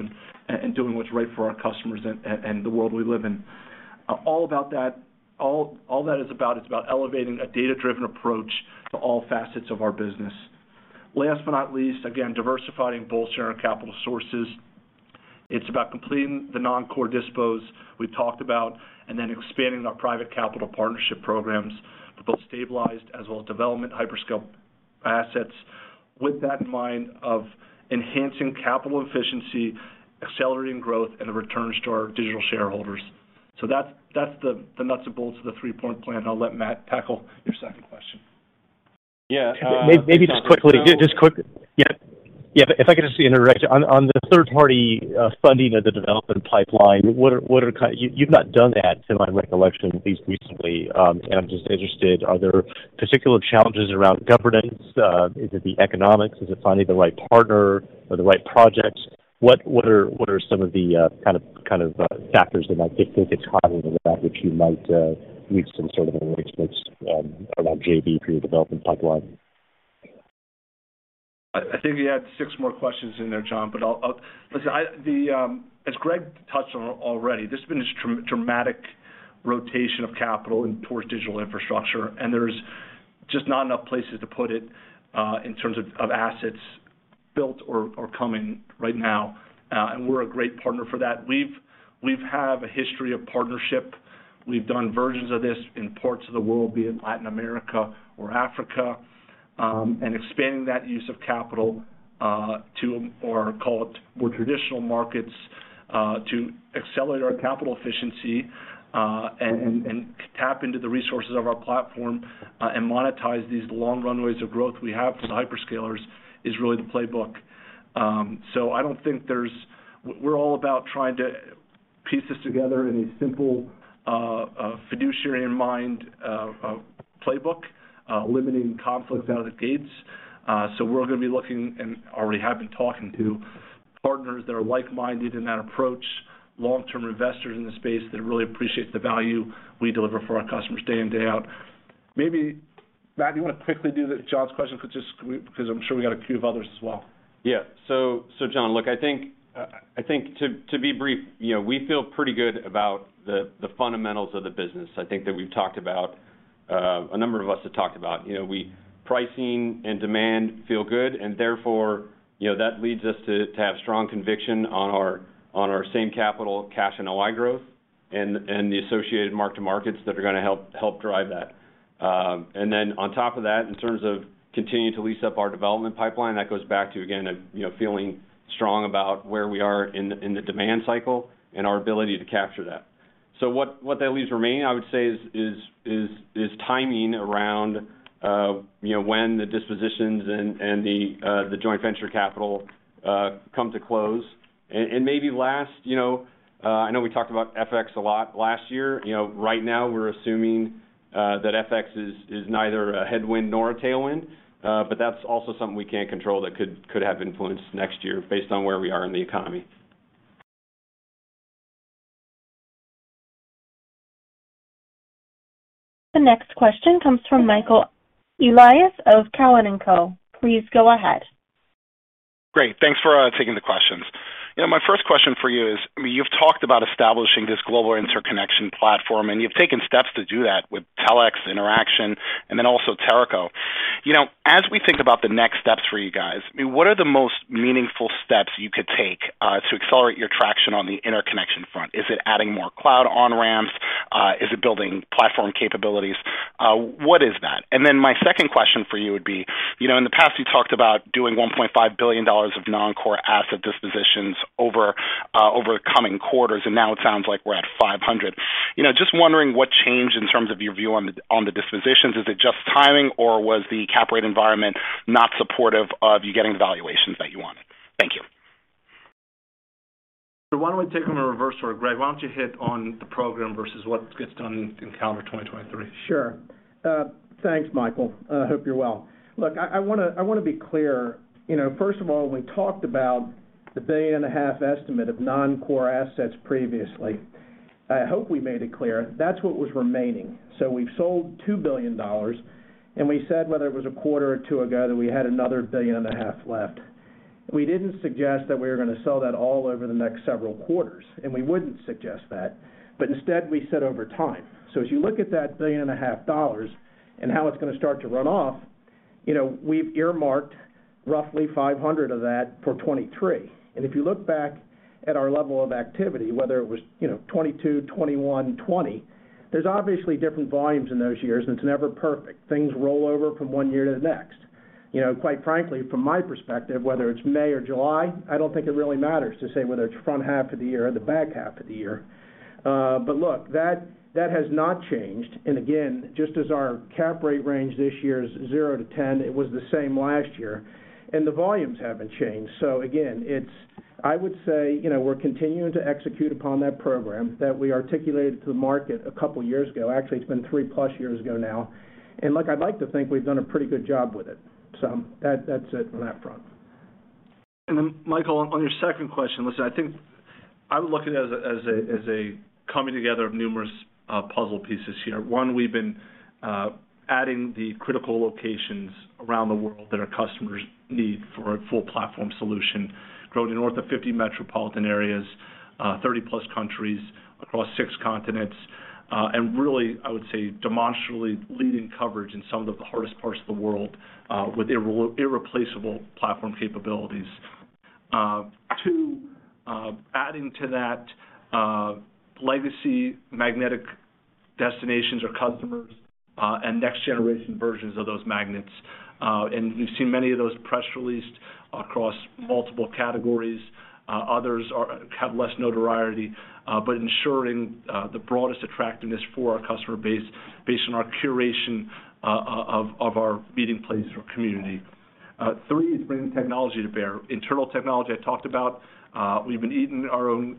and doing what's right for our customers and the world we live in. All that is about, it's about elevating a data-driven approach to all facets of our business. Last but not least, again, diversifying and bolstering our capital sources. It's about completing the non-core dispos we talked about and then expanding our private capital partnership programs for both stabilized as well as development hyperscale assets with that in mind of enhancing capital efficiency, accelerating growth, and the returns to our Digital shareholders. That's the nuts and bolts of the three-point plan. I'll let Matt tackle your second question. Yeah. Maybe just quickly. Just quick. Yeah, if I could just interact. On the third-party funding of the development pipeline, you've not done that, to my recollection, at least recently. I'm just interested, are there particular challenges around governance? Is it the economics? Is it finding the right partner or the right projects? What are some of the kind of factors that might differentiate it from other than that which you might need some sort of an workspace around JV for your development pipeline? I think you had six more questions in there, Jon. Listen, as Greg Wright touched on already, this has been a dramatic Rotation of capital and towards digital infrastructure. There's just not enough places to put it in terms of assets built or coming right now. We're a great partner for that. We've have a history of partnership. We've done versions of this in parts of the world, be it Latin America or Africa, and expanding that use of capital or call it more traditional markets to accelerate our capital efficiency and tap into the resources of our platform and monetize these long runways of growth we have from the hyperscalers is really the playbook. We're all about trying to piece this together in a simple fiduciary in mind playbook limiting conflict out of the gates. We're gonna be looking, and already have been talking to partners that are like-minded in that approach, long-term investors in the space that really appreciate the value we deliver for our customers day in, day out. Maybe, Matt, you wanna quickly do the Jon's question, 'cause I'm sure we got a few of others as well. Yeah. So Jon, look, I think to be brief, you know, we feel pretty good about the fundamentals of the business. I think that we've talked about a number of us have talked about, you know, pricing and demand feel good, and therefore, you know, that leads us to have strong conviction on our same capital cash NOI growth and the associated mark to markets that are gonna help drive that. On top of that, in terms of continuing to lease up our development pipeline, that goes back to again, you know, feeling strong about where we are in the demand cycle and our ability to capture that. What that leaves remaining, I would say is timing around, you know, when the dispositions and the joint venture capital come to close. Maybe last, you know, I know we talked about FX a lot last year. You know, right now we're assuming that FX is neither a headwind nor a tailwind, but that's also something we can't control that could have influence next year based on where we are in the economy. The next question comes from Michael Elias of Cowen and Company. Please go ahead. Great. Thanks for taking the questions. You know, my first question for you is, I mean, you've talked about establishing this global interconnection platform, and you've taken steps to do that with Telx, Interxion, and then also Teraco. You know, as we think about the next steps for you guys, I mean, what are the most meaningful steps you could take to accelerate your traction on the interconnection front? Is it adding more cloud on-ramps? Is it building platform capabilities? What is that? My second question for you would be, you know, in the past, you talked about doing $1.5 billion of non-core asset dispositions over coming quarters, and now it sounds like we're at $500 million. You know, just wondering what changed in terms of your view on the dispositions. Is it just timing or was the cap rate environment not supportive of you getting the valuations that you wanted? Thank you. Why don't we take them in reverse order. Greg, why don't you hit on the program versus what gets done in calendar 2023. Sure. Thanks, Michael. I hope you're well. Look, I wanna, I wanna be clear. You know, first of all, when we talked about the $1.5 billion estimate of non-core assets previously, I hope we made it clear that's what was remaining. We've sold $2 billion, and we said whether it was a quarter or two ago, that we had another $1.5 billion left. We didn't suggest that we were gonna sell that all over the next several quarters, and we wouldn't suggest that. Instead, we said over time. As you look at that $1.5 billion and how it's gonna start to run off, you know, we've earmarked roughly $500 of that for 2023. If you look back at our level of activity, whether it was, you know, 22, 21, 20, there's obviously different volumes in those years, and it's never perfect. Things roll over from one year to the next. You know, quite frankly, from my perspective, whether it's May or July, I don't think it really matters to say whether it's front half of the year or the back half of the year. But look, that has not changed. Again, just as our cap rate range this year is 0-10, it was the same last year, and the volumes haven't changed. Again, I would say, you know, we're continuing to execute upon that program that we articulated to the market a couple years ago. Actually, it's been 3+ years ago now. Look, I'd like to think we've done a pretty good job with it. That's it on that front. Then Michael, on your second question. Listen, I think I would look at it as a coming together of numerous puzzle pieces here. One, we've been adding the critical locations around the world that our customers need for a full platform solution, growing north of 50 metropolitan areas, 30+ countries across six continents, and really, I would say, demonstrably leading coverage in some of the hardest parts of the world, with irreplaceable platform capabilities. Two, adding to that, legacy magnetic destinations or customers, and next generation versions of those magnets. We've seen many of those press released across multiple categories. Others are, have less notoriety, but ensuring the broadest attractiveness for our customer base based on our curation of our meeting place or community. 3 is bringing technology to bear. Internal technology I talked about. We've been eating our own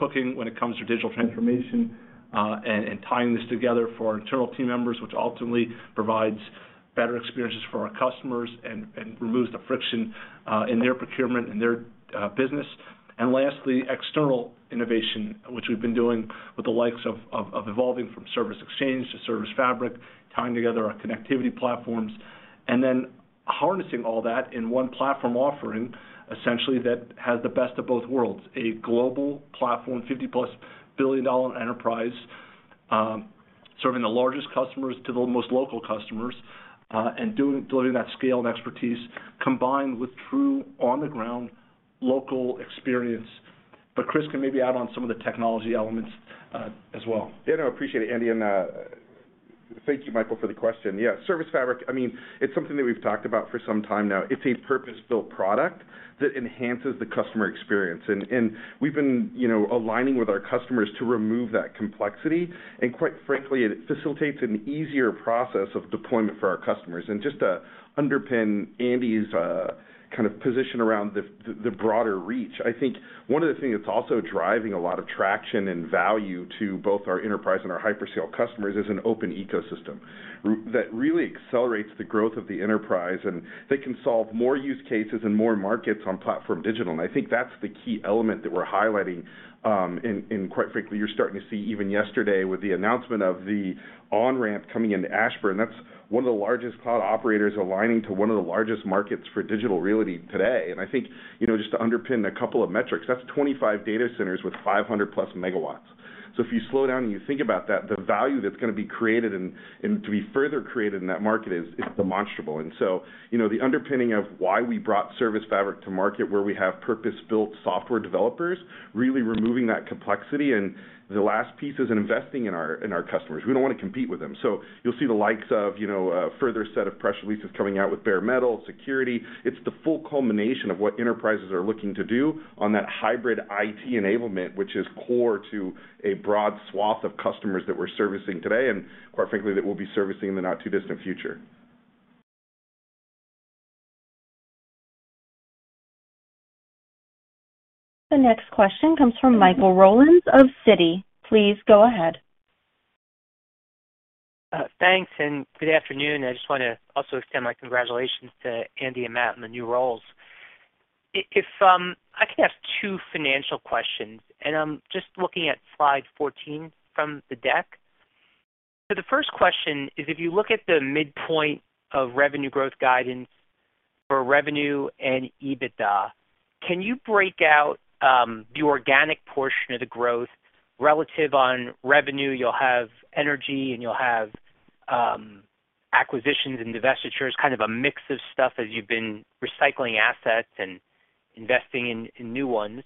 cooking when it comes to digital transformation and tying this together for our internal team members, which ultimately provides better experiences for our customers and removes the friction in their procurement and their business. Lastly, external innovation, which we've been doing with the likes of evolving from Service Exchange to ServiceFabric, tying together our connectivity platforms. Harnessing all that in one platform offering essentially that has the best of both worlds. A global platform, $50+ billion enterprise, serving the largest customers to the most local customers, delivering that scale and expertise combined with true on-the-ground local experience. Chris can maybe add on some of the technology elements, as well. Yeah, no, appreciate it, Andy. Thank you Michael for the question. Yeah, ServiceFabric, I mean, it's something that we've talked about for some time now. It's a purpose-built product that enhances the customer experience. We've been, you know, aligning with our customers to remove that complexity. Quite frankly, it facilitates an easier process of deployment for our customers. Just to underpin Andy's kind of position around the broader reach, I think one of the things that's also driving a lot of traction and value to both our enterprise and our hyperscale customers is an open ecosystem that really accelerates the growth of the enterprise, and they can solve more use cases and more markets on PlatformDIGITAL. I think that's the key element that we're highlighting, in quite frankly, you're starting to see even yesterday with the announcement of the on-ramp coming into Ashburn. That's one of the largest cloud operators aligning to one of the largest markets for Digital Realty today. I think, you know, just to underpin a couple of metrics, that's 25 data centers with 500+ MW. If you slow down and you think about that, the value that's gonna be created and to be further created in that market is demonstrable. So, you know, the underpinning of why we brought ServiceFabric to market where we have purpose-built software developers really removing that complexity. The last piece is investing in our customers. We don't wanna compete with them. You'll see the likes of, you know, a further set of press releases coming out with bare metal, security. It's the full culmination of what enterprises are looking to do on that hybrid IT enablement, which is core to a broad swath of customers that we're servicing today, and quite frankly, that we'll be servicing in the not too distant future. The next question comes from Michael Rollins of Citi. Please go ahead. Thanks and good afternoon. I just wanna also extend my congratulations to Andy Power and Matt Mercier in the new roles. If I could have two financial questions, and I'm just looking at slide 14 from the deck. The first question is, if you look at the midpoint of revenue growth guidance for revenue and EBITDA, can you break out the organic portion of the growth relative on revenue? You'll have energy and you'll have acquisitions and divestitures, kind of a mix of stuff as you've been recycling assets and investing in new ones.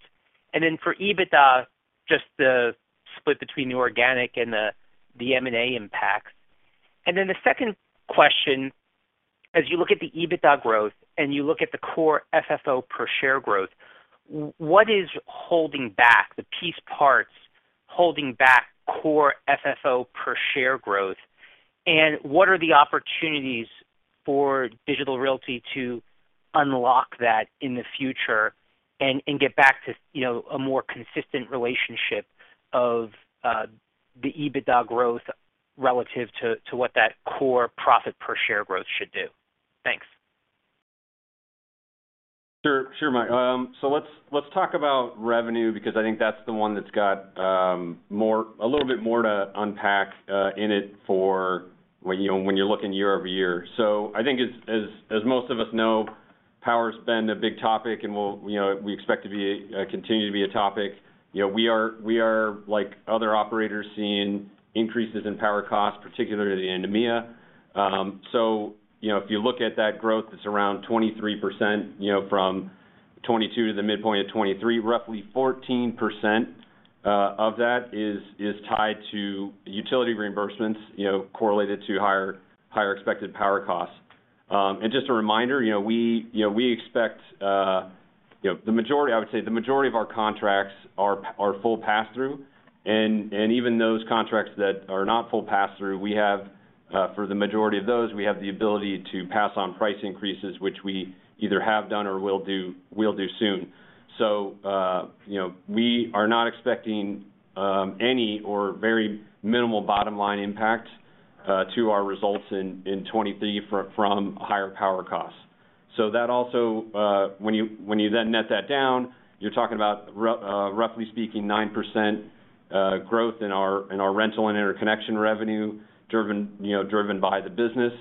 For EBITDA, just the split between the organic and the M&A impacts. The second question, as you look at the EBITDA growth and you look at the Core FFO per share growth, what is holding back the piece parts holding back Core FFO per share growth? What are the opportunities for Digital Realty to unlock that in the future and get back to, you know, a more consistent relationship of the EBITDA growth relative to what that core profit per share growth should do? Thanks. Sure. Sure, Mike. Let's talk about revenue because I think that's the one that's got a little bit more to unpack in it for when, you know, when you're looking year-over-year. I think as most of us know, power's been a big topic and will, you know, we expect to be a continue to be a topic. You know, we are like other operators seeing increases in power costs, particularly in the EMEA. You know, if you look at that growth, it's around 23%, you know, from 2022 to the midpoint of 2023. Roughly 14% of that is tied to utility reimbursements, you know, correlated to higher expected power costs. Just a reminder, you know, we expect, you know, the majority of our contracts are full pass through. Even those contracts that are not full pass through, we have, for the majority of those, we have the ability to pass on price increases, which we either have done or will do soon. You know, we are not expecting any or very minimal bottom line impact to our results in 2023 from higher power costs. That also, when you then net that down, you're talking about roughly speaking, 9% growth in our, in our rental and interconnection revenue driven, you know, driven by the business,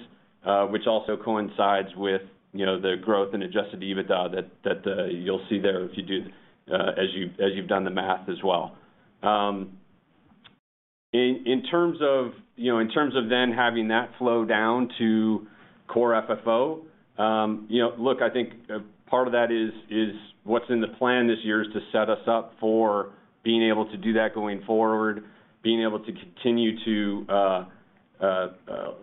which also coincides with, you know, the growth in adjusted EBITDA that you'll see there if you do, as you've done the math as well. In terms of, you know, in terms of then having that flow down to Core FFO, you know, look, I think, part of that is what's in the plan this year is to set us up for being able to do that going forward, being able to continue to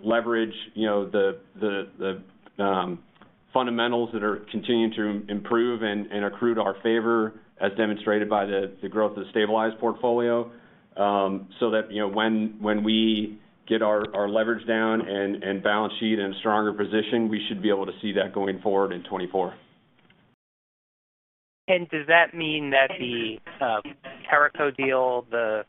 leverage, you know, the fundamentals that are continuing to improve and accrue to our favor as demonstrated by the growth of the stabilized portfolio. That, you know, when we get our leverage down and balance sheet in a stronger position, we should be able to see that going forward in 2024. Does that mean that the Teraco deal, the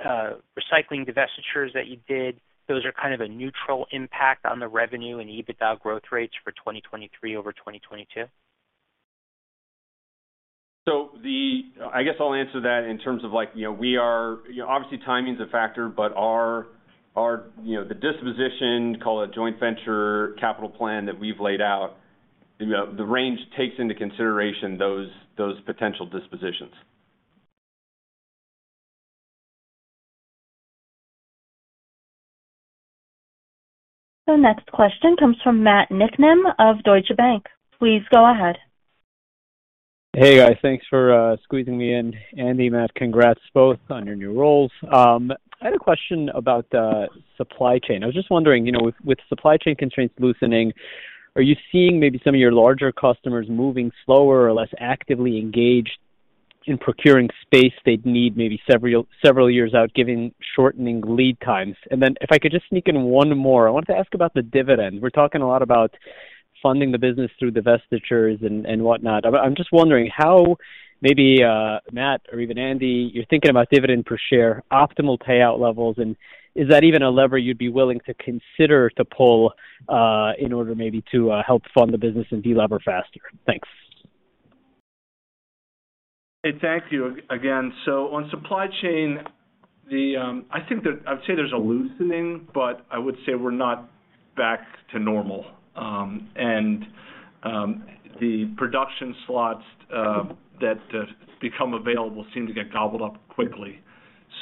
recycling divestitures that you did, those are kind of a neutral impact on the revenue and EBITDA growth rates for 2023 over 2022? I guess I'll answer that in terms of like, you know, obviously, timing is a factor, but our, you know, the disposition, call it joint venture capital plan that we've laid out, you know, the range takes into consideration those potential dispositions. The next question comes from Matt Niknam of Deutsche Bank. Please go ahead. Hey, guys. Thanks for squeezing me in. Andy, Matt, congrats both on your new roles. I had a question about the supply chain. I was just wondering, you know, with supply chain constraints loosening, are you seeing maybe some of your larger customers moving slower or less actively engaged in procuring space they'd need maybe several years out, giving shortening lead times? If I could just sneak in one more. I wanted to ask about the dividend. We're talking a lot about funding the business through divestitures and whatnot. I'm just wondering how maybe Matt or even Andy, you're thinking about dividend per share, optimal payout levels, and is that even a lever you'd be willing to consider to pull in order maybe to help fund the business and de-lever faster? Thanks. Hey, thank you again. On supply chain, the... I would say there's a loosening, but I would say we're not back to normal. And the production slots that become available seem to get gobbled up quickly.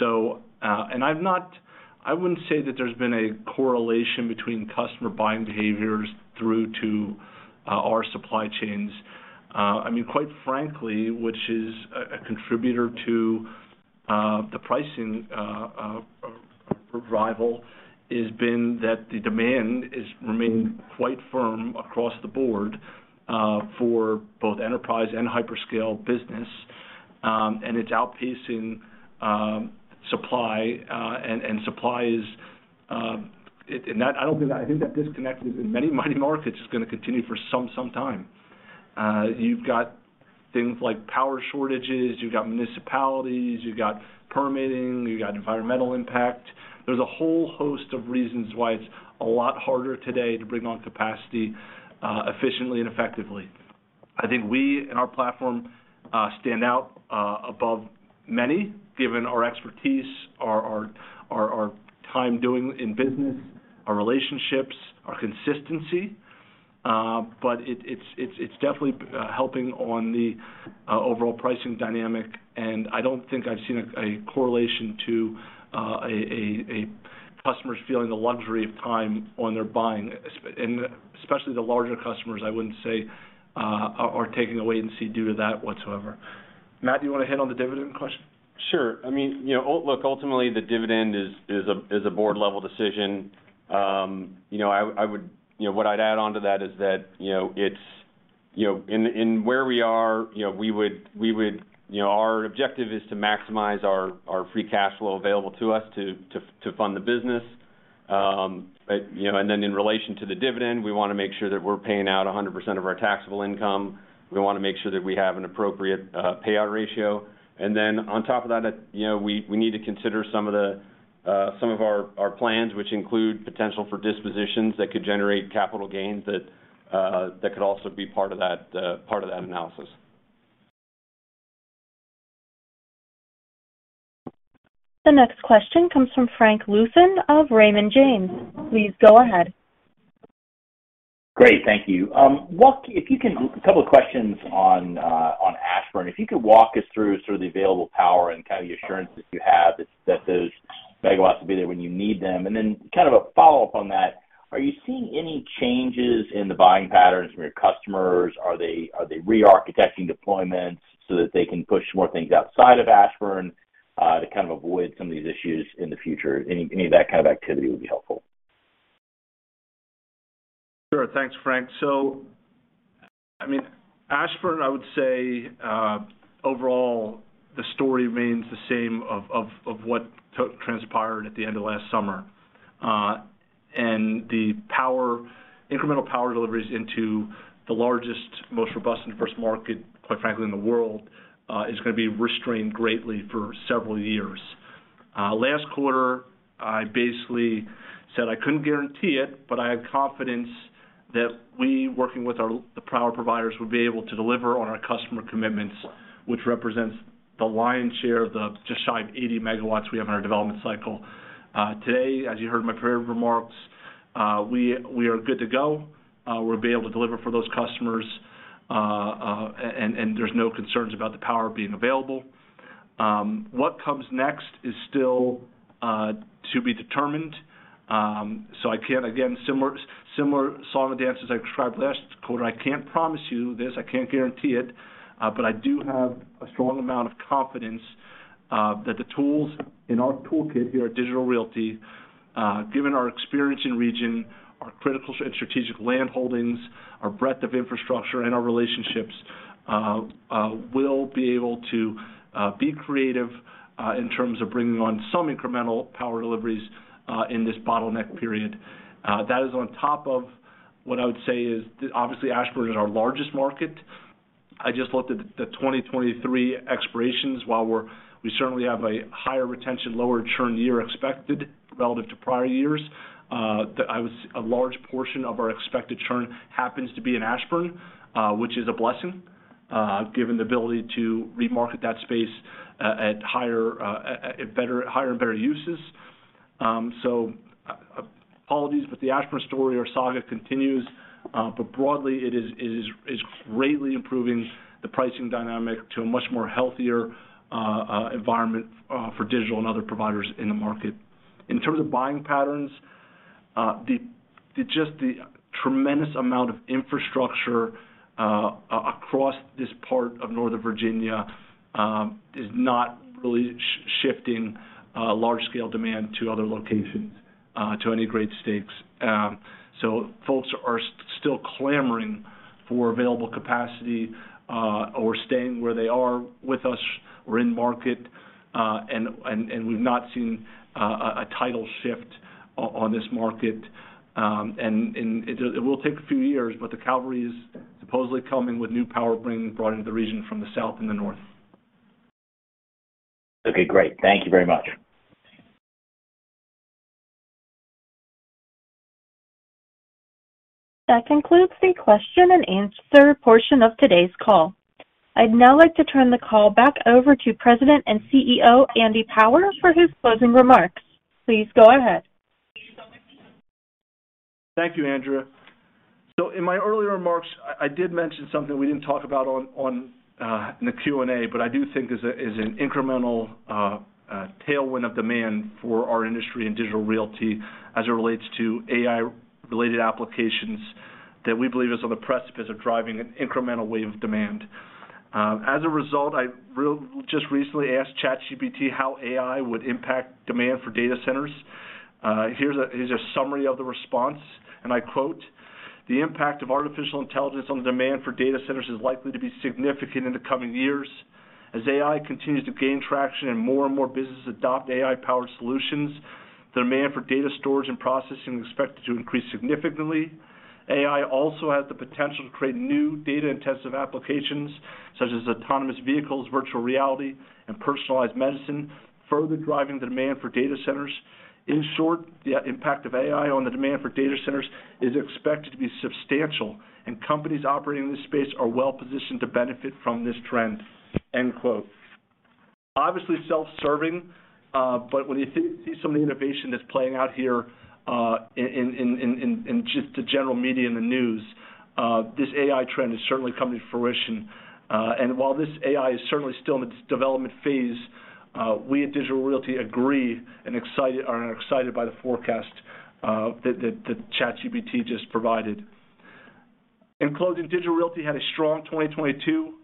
And I wouldn't say that there's been a correlation between customer buying behaviors through to our supply chains. I mean, quite frankly, which is a contributor to the pricing revival, has been that the demand is remaining quite firm across the board for both enterprise and hyperscale business. And it's outpacing supply, and supply is... I think that disconnect in many markets is gonna continue for some time. You've got things like power shortages, you've got municipalities, you've got permitting, you've got environmental impact. There's a whole host of reasons why it's a lot harder today to bring on capacity efficiently and effectively. I think we in our platform stand out above many given our expertise, our time doing in business, our relationships, our consistency, but it's definitely helping on the overall pricing dynamic. I don't think I've seen a correlation to a customer's feeling the luxury of time on their buying, especially the larger customers, I wouldn't say are taking a wait and see due to that whatsoever. Matt, do you wanna hit on the dividend question? Sure. I mean, you know, ultimately, the dividend is a board-level decision. You know, I would. You know, what I'd add on to that is that, you know, it's, you know, and where we are, you know, we would. You know, our objective is to maximize our free cash flow available to us to fund the business. You know, in relation to the dividend, we wanna make sure that we're paying out 100% of our taxable income. We wanna make sure that we have an appropriate payout ratio. Then on top of that, you know, we need to consider some of the, some of our plans, which include potential for dispositions that could generate capital gains that could also be part of that, part of that analysis. The next question comes from Frank Louthan of Raymond James. Please go ahead. Great. Thank you. A couple of questions on Ashburn. If you could walk us through sort of the available power and kind of the assurance that you have that those megawatts will be there when you need them. Kind of a follow-up on that, are you seeing any changes in the buying patterns from your customers? Are they re-architecting deployments so that they can push more things outside of Ashburn to kind of avoid some of these issues in the future? Any of that kind of activity would be helpful. Sure. Thanks, Frank. I mean, Ashburn, I would say, overall the story remains the same of what transpired at the end of last summer. The incremental power deliveries into the largest, most robust inverse market, quite frankly, in the world, is gonna be restrained greatly for several years. Last quarter, I basically said I couldn't guarantee it, but I have confidence that we, working with the power providers, will be able to deliver on our customer commitments, which represents the lion's share of the just shy of 80 MW we have in our development cycle. Today, as you heard in my prepared remarks, we are good to go. We'll be able to deliver for those customers, there's no concerns about the power being available. What comes next is still to be determined. Again, similar song and dance as I described last quarter. I can't promise you this, I can't guarantee it, but I do have a strong amount of confidence that the tools in our toolkit here at Digital Realty, given our experience and region, our critical strategic land holdings, our breadth of infrastructure, and our relationships, we'll be able to be creative in terms of bringing on some incremental power deliveries in this bottleneck period. That is on top of what I would say is, obviously Ashburn is our largest market. I just looked at the 2023 expirations. While we certainly have a higher retention, lower churn year expected relative to prior years, a large portion of our expected churn happens to be in Ashburn, which is a blessing. Given the ability to remarket that space at higher and better uses. Apologies, but the Ashburn story or saga continues. Broadly, it is greatly improving the pricing dynamic to a much more healthier environment for Digital Realty and other providers in the market. In terms of buying patterns, the just the tremendous amount of infrastructure across this part of Northern Virginia is not really shifting large scale demand to other locations to any great stakes. Folks are still clamoring for available capacity or staying where they are with us. We're in market, and we've not seen a title shift on this market. It will take a few years, but the cavalry is supposedly coming with new power brought into the region from the south and the north. Okay, great. Thank you very much. That concludes the question and answer portion of today's call. I'd now like to turn the call back over to President and CEO, Andy Power, for his closing remarks. Please go ahead. Thank you, Andrea. In my earlier remarks, I did mention something we didn't talk about in the Q&A, but I do think is an incremental tailwind of demand for our industry and Digital Realty as it relates to AI-related applications that we believe is on the precipice of driving an incremental wave of demand. As a result, I just recently asked ChatGPT how AI would impact demand for data centers. Here's a summary of the response, and I quote, "The impact of artificial intelligence on the demand for data centers is likely to be significant in the coming years. As AI continues to gain traction and more and more businesses adopt AI-powered solutions, the demand for data storage and processing is expected to increase significantly. AI also has the potential to create new data-intensive applications such as autonomous vehicles, virtual reality, and personalized medicine, further driving the demand for data centers. In short, the impact of AI on the demand for data centers is expected to be substantial, and companies operating in this space are well-positioned to benefit from this trend." End quote. Obviously self-serving, but when you see some of the innovation that's playing out here, in just the general media and the news, this AI trend is certainly coming to fruition. While this AI is certainly still in its development phase, we at Digital Realty agree and are excited by the forecast that ChatGPT just provided. In closing, Digital Realty had a strong 2022.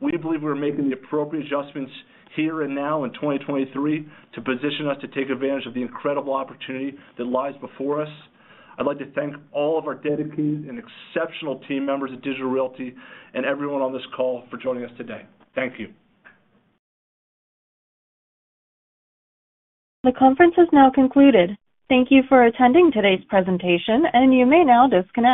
We believe we're making the appropriate adjustments here and now in 2023 to position us to take advantage of the incredible opportunity that lies before us. I'd like to thank all of our dedicated and exceptional team members at Digital Realty and everyone on this call for joining us today. Thank you. The conference has now concluded. Thank you for attending today's presentation, and you may now disconnect.